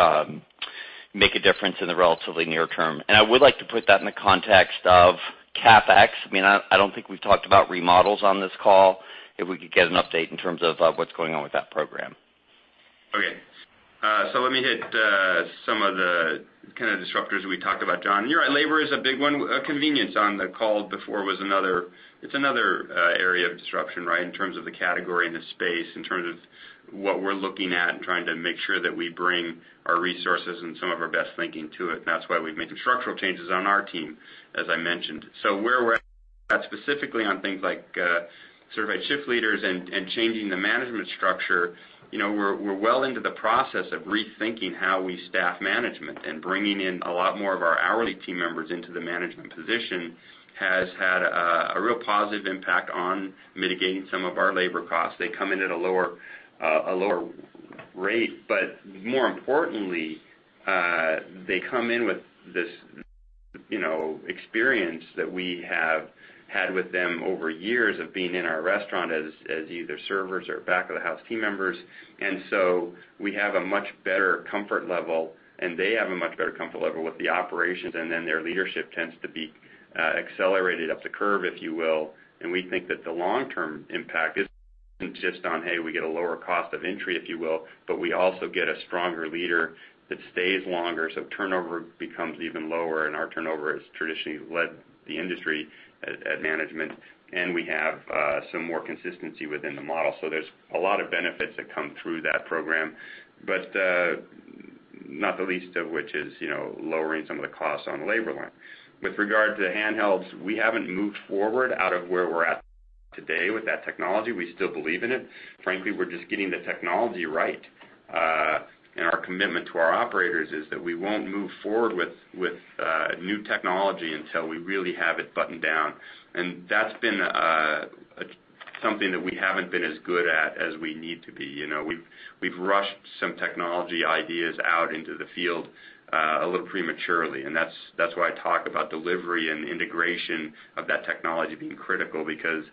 make a difference in the relatively near term. I would like to put that in the context of CapEx. I don't think we've talked about remodels on this call, if we could get an update in terms of what's going on with that program. Let me hit some of the kind of disruptors we talked about, John. You're right, labor is a big one. Convenience on the call before was another. It's another area of disruption in terms of the category and the space, in terms of what we're looking at and trying to make sure that we bring our resources and some of our best thinking to it. That's why we've made some structural changes on our team, as I mentioned. Where we're at. Specifically on things like Certified Shift Leaders and changing the management structure, we're well into the process of rethinking how we staff management and bringing in a lot more of our hourly team members into the management position has had a real positive impact on mitigating some of our labor costs. They come in at a lower rate, but more importantly, they come in with this experience that we have had with them over years of being in our restaurant as either servers or back-of-the-house team members. We have a much better comfort level, and they have a much better comfort level with the operations, and then their leadership tends to be accelerated up the curve, if you will. We think that the long-term impact isn't just on, hey, we get a lower cost of entry, if you will, but we also get a stronger leader that stays longer, so turnover becomes even lower, and our turnover has traditionally led the industry at management. We have some more consistency within the model. There's a lot of benefits that come through that program, but not the least of which is lowering some of the costs on the labor line. With regard to the handhelds, we haven't moved forward out of where we're at today with that technology. We still believe in it. Frankly, we're just getting the technology right. Our commitment to our operators is that we won't move forward with new technology until we really have it buttoned down. That's been something that we haven't been as good at as we need to be. We've rushed some technology ideas out into the field a little prematurely, and that's why I talk about delivery and integration of that technology being critical because,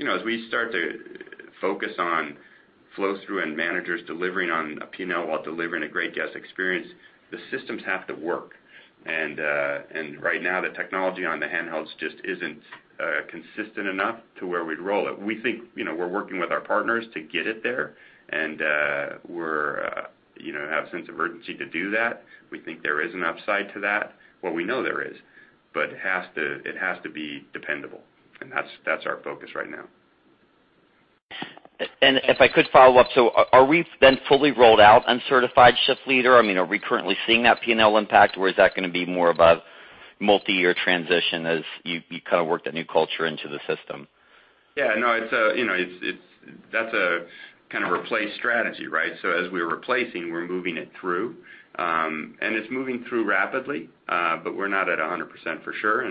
as we start to focus on flow-through and managers delivering on a P&L while delivering a great guest experience, the systems have to work. Right now, the technology on the handhelds just isn't consistent enough to where we'd roll it. We think we're working with our partners to get it there, and we have a sense of urgency to do that. We think there is an upside to that. Well, we know there is, but it has to be dependable, and that's our focus right now. If I could follow up, are we then fully rolled out on Certified Shift Leader? Are we currently seeing that P&L impact, or is that going to be more of a multi-year transition as you work that new culture into the system? Yeah. That's a replace strategy, right? As we're replacing, we're moving it through. It's moving through rapidly, but we're not at 100% for sure,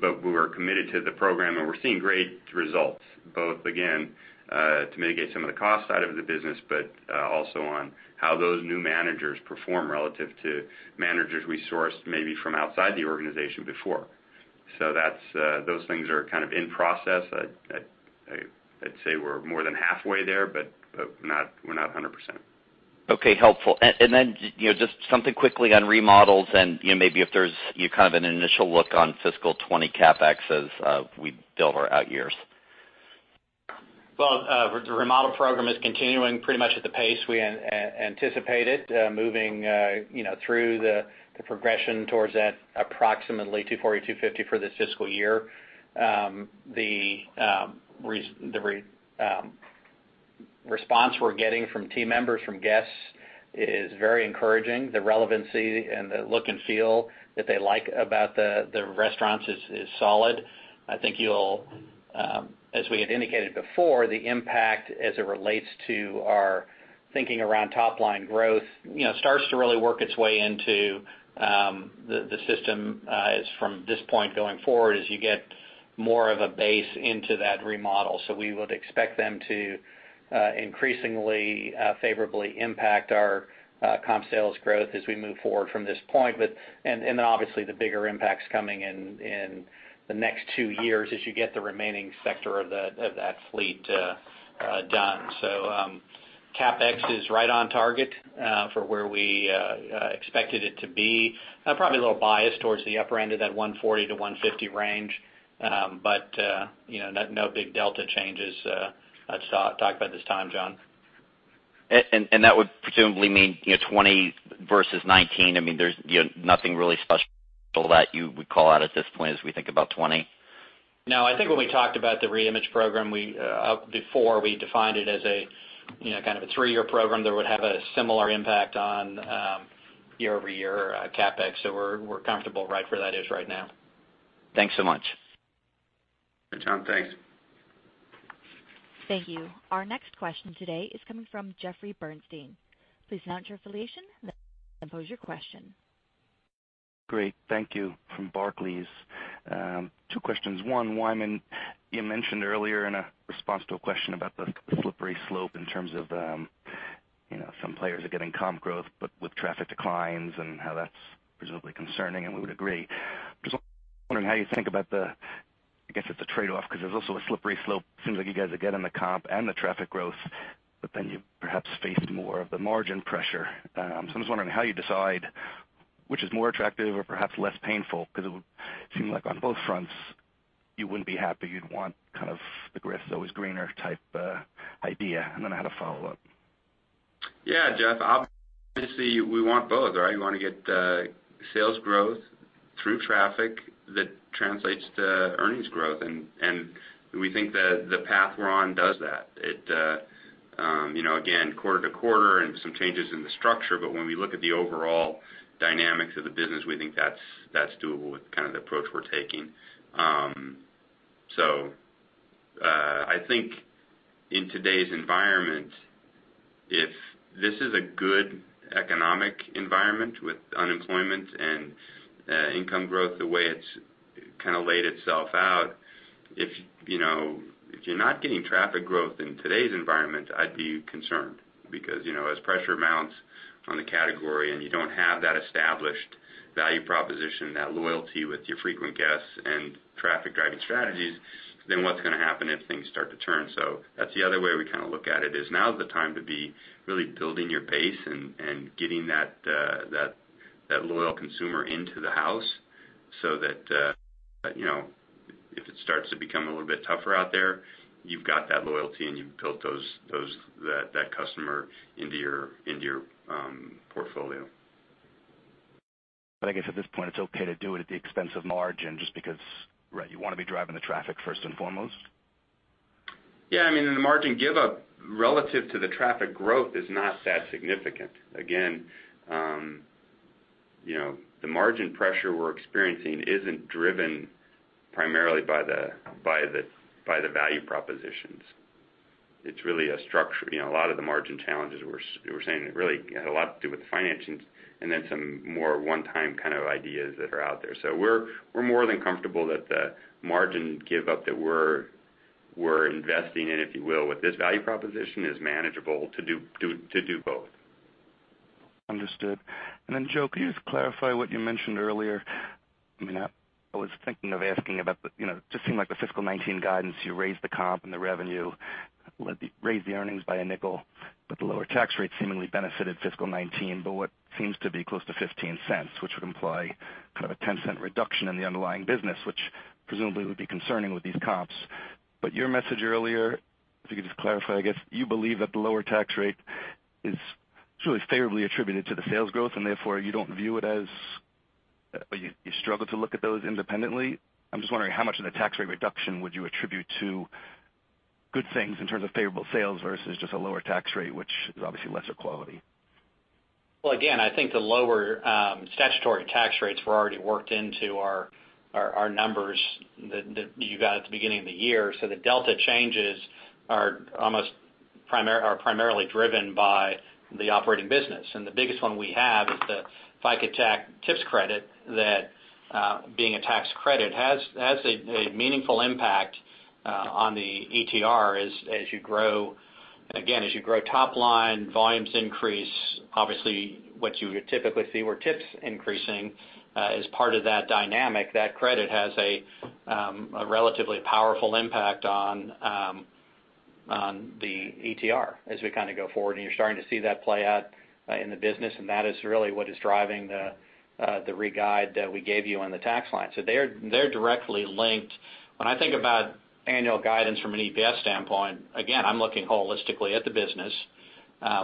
but we're committed to the program, and we're seeing great results, both, again, to mitigate some of the cost side of the business, but also on how those new managers perform relative to managers we sourced maybe from outside the organization before. Those things are in process. I'd say we're more than halfway there, but we're not 100%. Okay, helpful. Just something quickly on remodels and maybe if there's an initial look on FY 2020 CapEx as we build our out years. The remodel program is continuing pretty much at the pace we anticipated, moving through the progression towards that approximately 240-250 for this fiscal year. The response we're getting from team members, from guests is very encouraging. The relevancy and the look and feel that they like about the restaurants is solid. I think as we had indicated before, the impact as it relates to our thinking around top-line growth starts to really work its way into the system from this point going forward as you get more of a base into that remodel. We would expect them to increasingly favorably impact our comp sales growth as we move forward from this point. Obviously the bigger impacts coming in the next two years as you get the remaining sector of that fleet done. CapEx is right on target for where we expected it to be. Probably a little biased towards the upper end of that $140-$150 range. No big delta changes I'd talk about this time, John. That would presumably mean 2020 versus 2019. There's nothing really special that you would call out at this point as we think about 2020? No, I think when we talked about the reimage program before, we defined it as a kind of a three-year program that would have a similar impact on year-over-year CapEx. We're comfortable right where that is right now. Thanks so much. John, thanks. Thank you. Our next question today is coming from Jeffrey Bernstein. Please announce your affiliation, then pose your question. Great. Thank you. From Barclays. Two questions. One, Wyman, you mentioned earlier in a response to a question about the slippery slope in terms of some players are getting comp growth, but with traffic declines and how that's presumably concerning, and we would agree. Just wondering how you think about the, I guess it's a trade-off because there's also a slippery slope. Seems like you guys are getting the comp and the traffic growth, but then you perhaps faced more of the margin pressure. I'm just wondering how you decide which is more attractive or perhaps less painful because it would seem like on both fronts you wouldn't be happy. You'd want kind of the grass is always greener type idea. I had a follow-up. Yeah, Jeff. Obviously, we want both, right? We want to get sales growth through traffic that translates to earnings growth, and we think that the path we're on does that. Again, quarter to quarter and some changes in the structure, but when we look at the overall dynamics of the business, we think that's doable with the approach we're taking. I think in today's environment, if this is a good economic environment with unemployment and income growth the way it's laid itself out, if you're not getting traffic growth in today's environment, I'd be concerned because as pressure mounts on the category and you don't have that established value proposition, that loyalty with your frequent guests and traffic driving strategies, then what's going to happen if things start to turn? That's the other way we look at it is now's the time to be really building your base and getting that loyal consumer into the house so that if it starts to become a little bit tougher out there, you've got that loyalty, and you've built that customer into your portfolio. I guess at this point, it's okay to do it at the expense of margin just because, right, you want to be driving the traffic first and foremost? The margin give up relative to the traffic growth is not that significant. Again, the margin pressure we're experiencing isn't driven primarily by the value propositions. A lot of the margin challenges we're saying really had a lot to do with the financings and then some more one-time kind of ideas that are out there. We're more than comfortable that the margin give up that we're investing in, if you will, with this value proposition is manageable to do both. Understood. Joe, could you just clarify what you mentioned earlier? It just seemed like the fiscal 2019 guidance, you raised the comp and the revenue, raised the earnings by $0.05, but the lower tax rate seemingly benefited fiscal 2019 by what seems to be close to $0.15, which would imply kind of a $0.10 reduction in the underlying business, which presumably would be concerning with these comps. Your message earlier, if you could just clarify, I guess you believe that the lower tax rate is truly favorably attributed to the sales growth, and therefore you don't view it as, or you struggle to look at those independently? I'm just wondering, how much of the tax rate reduction would you attribute to good things in terms of favorable sales versus just a lower tax rate, which is obviously lesser quality? Well, again, I think the lower statutory tax rates were already worked into our numbers that you got at the beginning of the year. The delta changes are primarily driven by the operating business. The biggest one we have is the FICA tax tips credit that, being a tax credit, has a meaningful impact on the ETR as you grow top line, volumes increase. Obviously, what you would typically see were tips increasing. As part of that dynamic, that credit has a relatively powerful impact on the ETR as we go forward, and you're starting to see that play out in the business, and that is really what is driving the re-guide that we gave you on the tax line. They're directly linked. When I think about annual guidance from an EPS standpoint, again, I'm looking holistically at the business.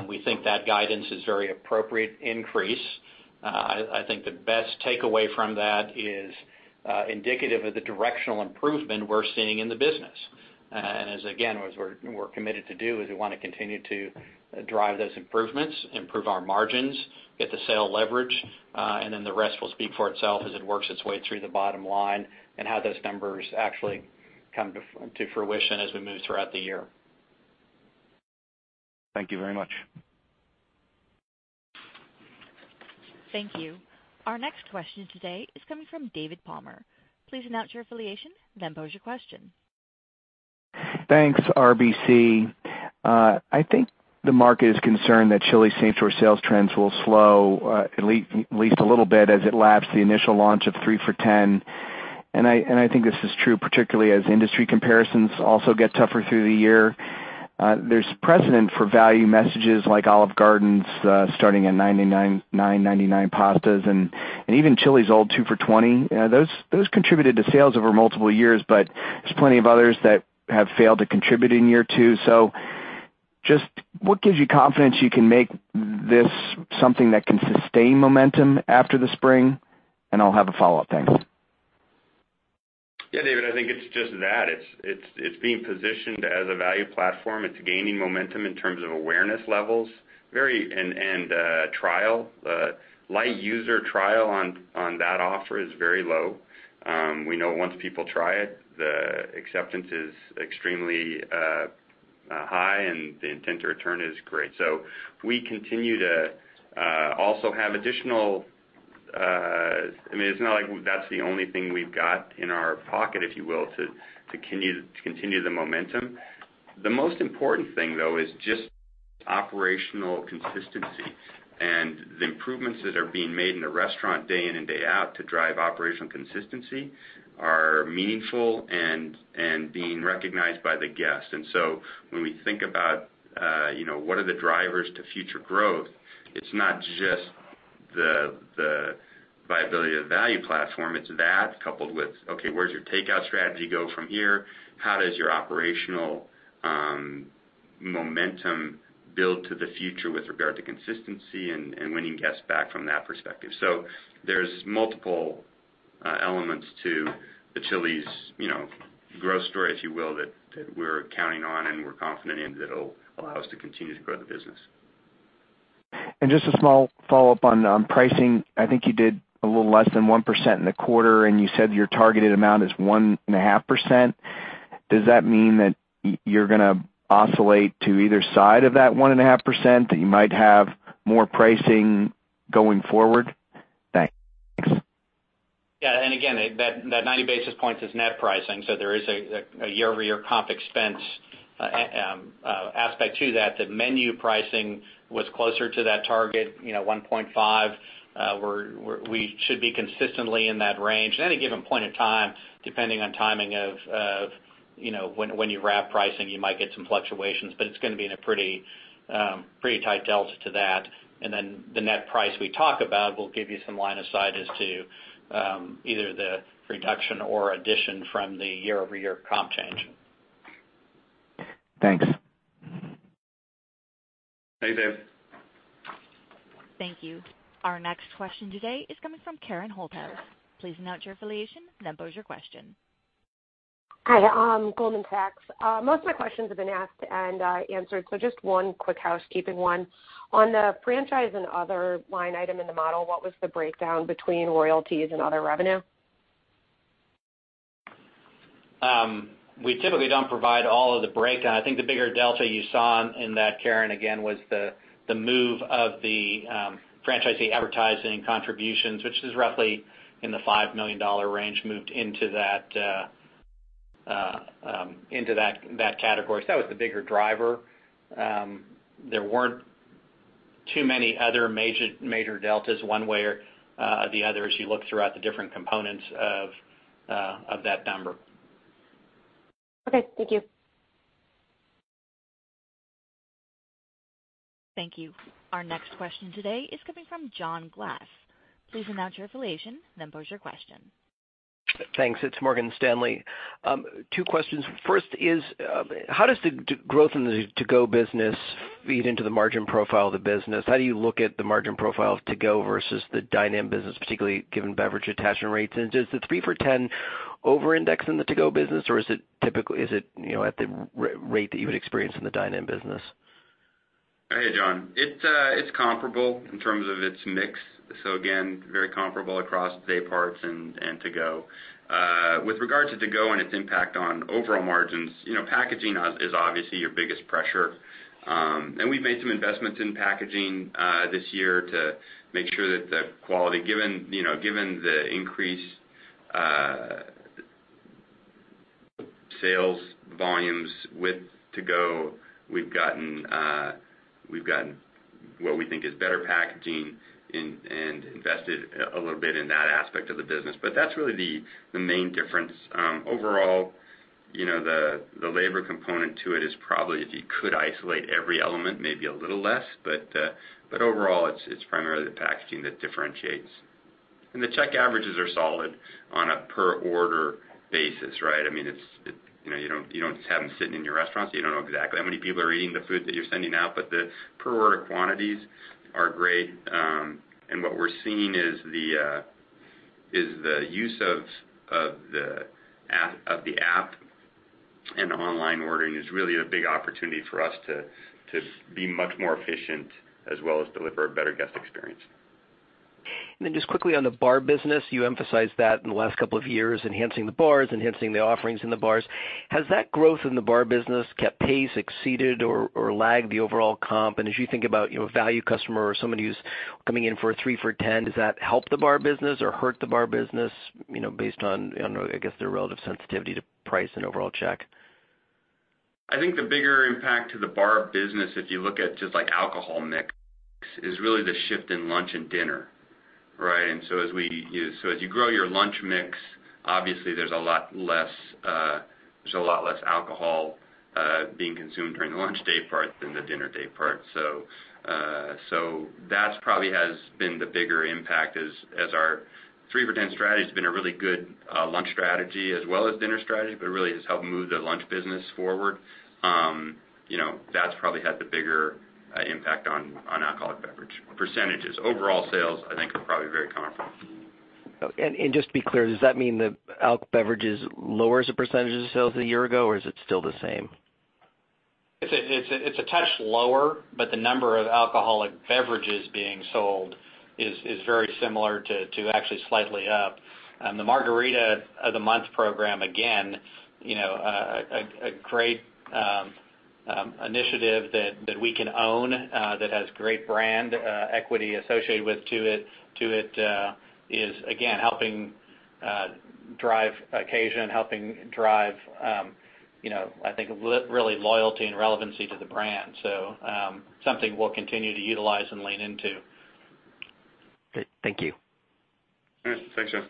We think that guidance is very appropriate increase. I think the best takeaway from that is indicative of the directional improvement we're seeing in the business. Again, what we're committed to do is we want to continue to drive those improvements, improve our margins, get the sale leverage, then the rest will speak for itself as it works its way through the bottom line and how those numbers actually come to fruition as we move throughout the year. Thank you very much. Thank you. Our next question today is coming from David Palmer. Please announce your affiliation, then pose your question. Thanks, RBC. I think the market is concerned that Chili's same-store sales trends will slow at least a little bit as it laps the initial launch of three for $10. I think this is true, particularly as industry comparisons also get tougher through the year. There's precedent for value messages like Olive Garden's starting at $9.99 pastas and even Chili's old two for $20. Those contributed to sales over multiple years, but there's plenty of others that have failed to contribute in year two. Just what gives you confidence you can make this something that can sustain momentum after the spring? I'll have a follow-up. Thanks. Yeah, David, I think it's just that. It's being positioned as a value platform. It's gaining momentum in terms of awareness levels and trial. Light user trial on that offer is very low. We know once people try it, the acceptance is extremely high, and the intent to return is great. We continue to also have. It's not like that's the only thing we've got in our pocket, if you will, to continue the momentum. The most important thing, though, is just operational consistency. The improvements that are being made in the restaurant day in and day out to drive operational consistency are meaningful and being recognized by the guest. When we think about what are the drivers to future growth, it's not just the viability of the value platform, it's that coupled with, okay, where does your takeout strategy go from here? How does your operational momentum build to the future with regard to consistency and winning guests back from that perspective? There's multiple elements to the Chili's growth story, if you will, that we're counting on and we're confident in that will allow us to continue to grow the business. Just a small follow-up on pricing. I think you did a little less than 1% in the quarter, and you said your targeted amount is 1.5%. Does that mean that you're going to oscillate to either side of that 1.5%? That you might have more pricing going forward? Thanks. Yeah. Again, that 90 basis points is net pricing. So there is a year-over-year comp expense aspect to that. The menu pricing was closer to that target, 1.5%. We should be consistently in that range at any given point in time, depending on timing of when you wrap pricing, you might get some fluctuations, but it's going to be in a pretty tight delta to that. Then the net price we talk about will give you some line of sight as to either the reduction or addition from the year-over-year comp change. Thanks. Thanks, Dave. Thank you. Our next question today is coming from Karen Holthouse. Please announce your affiliation, then pose your question. Hi. Goldman Sachs. Most of my questions have been asked and answered, just one quick housekeeping one. On the franchise and other line item in the model, what was the breakdown between royalties and other revenue? We typically don't provide all of the breakdown. I think the bigger delta you saw in that, Karen, again, was the move of the franchisee advertising contributions, which is roughly in the $5 million range, moved into that category. That was the bigger driver. There weren't too many other major deltas one way or the other as you look throughout the different components of that number. Okay, thank you. Thank you. Our next question today is coming from John Glass. Please announce your affiliation, then pose your question. Thanks. It's Morgan Stanley. Two questions. First is, how does the growth in the to-go business feed into the margin profile of the business? How do you look at the margin profile of to-go versus the dine-in business, particularly given beverage attachment rates? Does the three for $10 over-index in the to-go business, or is it at the rate that you would experience in the dine-in business? Hey, John. It's comparable in terms of its mix. Again, very comparable across day parts and to-go. With regards to to-go and its impact on overall margins, packaging is obviously your biggest pressure. We've made some investments in packaging this year to make sure that the quality, given the increase sales volumes with to-go, we've gotten what we think is better packaging and invested a little bit in that aspect of the business. That's really the main difference. Overall, the labor component to it is probably, if you could isolate every element, maybe a little less, but overall, it's primarily the packaging that differentiates. The check averages are solid on a per-order basis, right? You don't have them sitting in your restaurant, so you don't know exactly how many people are eating the food that you're sending out, but the per order quantities are great. What we're seeing is the use of the app and online ordering is really a big opportunity for us to be much more efficient as well as deliver a better guest experience. Just quickly on the bar business, you emphasized that in the last couple of years, enhancing the bars, enhancing the offerings in the bars. Has that growth in the bar business kept pace, exceeded, or lagged the overall comp? As you think about a value customer or somebody who's coming in for a three for $10, does that help the bar business or hurt the bar business based on, I guess, their relative sensitivity to price and overall check? I think the bigger impact to the bar business, if you look at just alcohol mix, is really the shift in lunch and dinner, right? As you grow your lunch mix, obviously there's a lot less alcohol being consumed during the lunch day part than the dinner day part. That probably has been the bigger impact as our three for $10 strategy has been a really good lunch strategy as well as dinner strategy but really has helped move the lunch business forward. That's probably had the bigger impact on alcoholic beverage percentages. Overall sales, I think, are probably very comparable. Just to be clear, does that mean the alc beverages lower as a percentage of sales than a year ago, or is it still the same? It's a touch lower, but the number of alcoholic beverages being sold is very similar to actually slightly up. The Margarita of the Month program, again, a great initiative that we can own that has great brand equity associated to it is, again, helping drive occasion, helping drive I think really loyalty and relevancy to the brand. Something we'll continue to utilize and lean into. Okay. Thank you. All right. Thanks, John.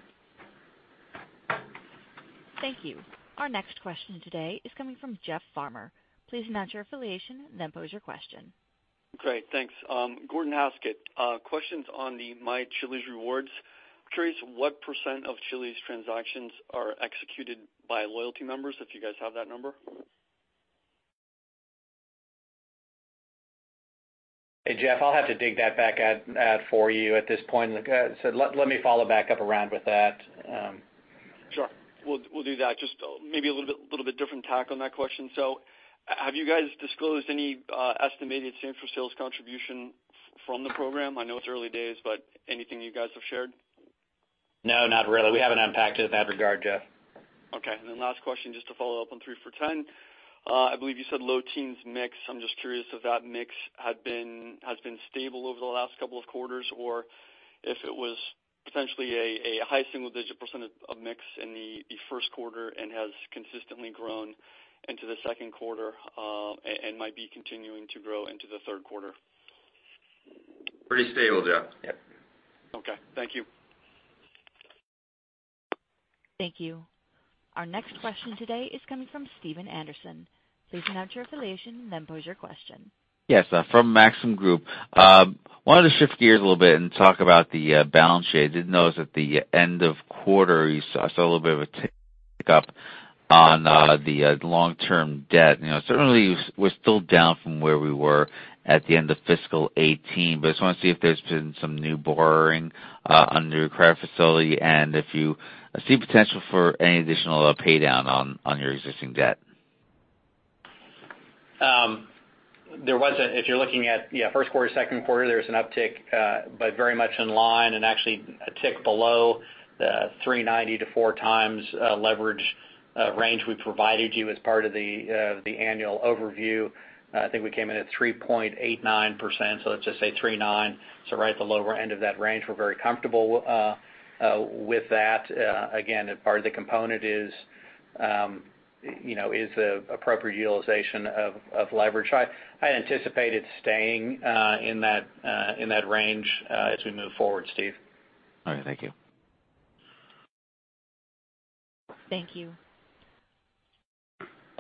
Thank you. Our next question today is coming from Jeff Farmer. Please announce your affiliation, then pose your question. Great. Thanks. Gordon Haskett. Questions on the My Chili's Rewards. I'm curious what percent of Chili's transactions are executed by loyalty members, if you guys have that number? Hey, Jeff, I'll have to dig that back for you at this point. Let me follow back up around with that. Sure. We'll do that. Just maybe a little bit different tack on that question. Have you guys disclosed any estimated same-store sales contribution from the program? I know it's early days, but anything you guys have shared? No, not really. We haven't unpacked it in that regard, Jeff. Okay, last question, just to follow up on three for 10. I believe you said low teens mix. I'm just curious if that mix has been stable over the last couple of quarters or if it was potentially a high single-digit % of mix in the first quarter and has consistently grown into the second quarter, and might be continuing to grow into the third quarter. Pretty stable, Jeff. Yep. Okay. Thank you. Thank you. Our next question today is coming from Steven Anderson. Please announce your affiliation and then pose your question. Yes, from Maxim Group. Wanted to shift gears a little bit and talk about the balance sheet. I did notice at the end of quarter, I saw a little bit of a tick-up on the long-term debt. Certainly, we're still down from where we were at the end of fiscal 2018, I just want to see if there's been some new borrowing on your credit facility and if you see potential for any additional pay-down on your existing debt. If you're looking at first quarter, second quarter, there was an uptick, very much in line and actually a tick below the 3.90 to four times leverage range we provided you as part of the annual overview. I think we came in at 3.89%, so let's just say 3.9, so right at the lower end of that range. We're very comfortable with that. Again, a part of the component is appropriate utilization of leverage. I anticipated staying in that range as we move forward, Steve. All right, thank you. Thank you.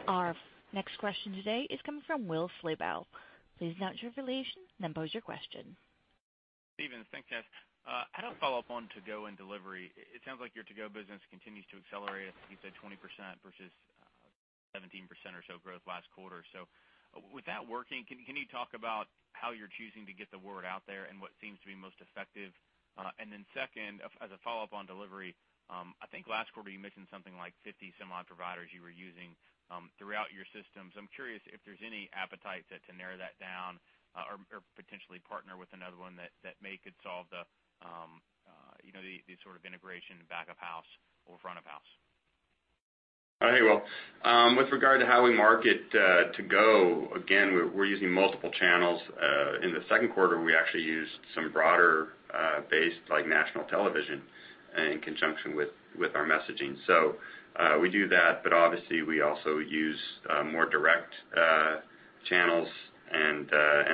Our next question today is coming from Will Slabaugh. Please announce your affiliation, pose your question. Stephens, thanks guys. I want to follow up on to-go and delivery. It sounds like your to-go business continues to accelerate, I think you said 20% versus 17% or so growth last quarter. With that working, can you talk about how you're choosing to get the word out there and what seems to be most effective? Second, as a follow-up on delivery, I think last quarter you mentioned something like 50-some-odd providers you were using throughout your systems. I'm curious if there's any appetite to narrow that down or potentially partner with another one that may could solve the sort of integration back of house or front of house. Hey, Will. With regard to how we market to-go, again, we're using multiple channels. In the second quarter, we actually used some broader base, like national television in conjunction with our messaging. We do that, but obviously, we also use more direct channels, and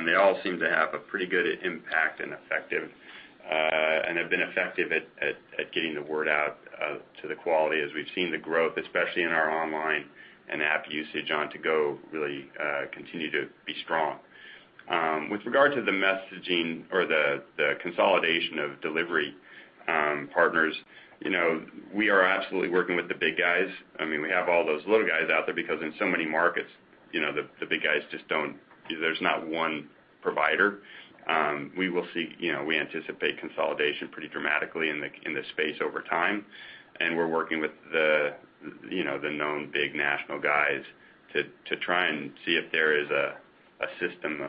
they all seem to have a pretty good impact and have been effective at getting the word out to the quality as we've seen the growth, especially in our online and app usage on to-go really continue to be strong. With regard to the messaging or the consolidation of delivery partners, we are absolutely working with the big guys. We have all those little guys out there because in so many markets, the big guys just don't. There's not one provider. We anticipate consolidation pretty dramatically in the space over time, we're working with the known big national guys to try and see if there is a system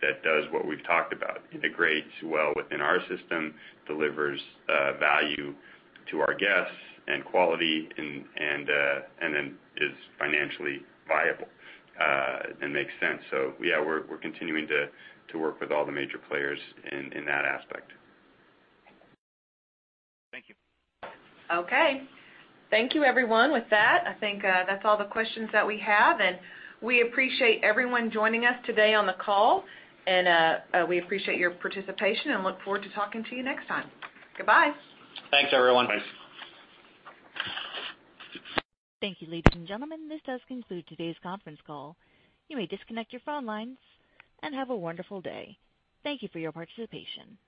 that does what we've talked about. Integrates well within our system, delivers value to our guests and quality, is financially viable and makes sense. Yeah, we're continuing to work with all the major players in that aspect. Thank you. Okay. Thank you, everyone. With that, I think that's all the questions that we have, we appreciate everyone joining us today on the call. We appreciate your participation and look forward to talking to you next time. Goodbye. Thanks, everyone. Thanks. Thank you, ladies and gentlemen. This does conclude today's conference call. You may disconnect your phone lines and have a wonderful day. Thank you for your participation.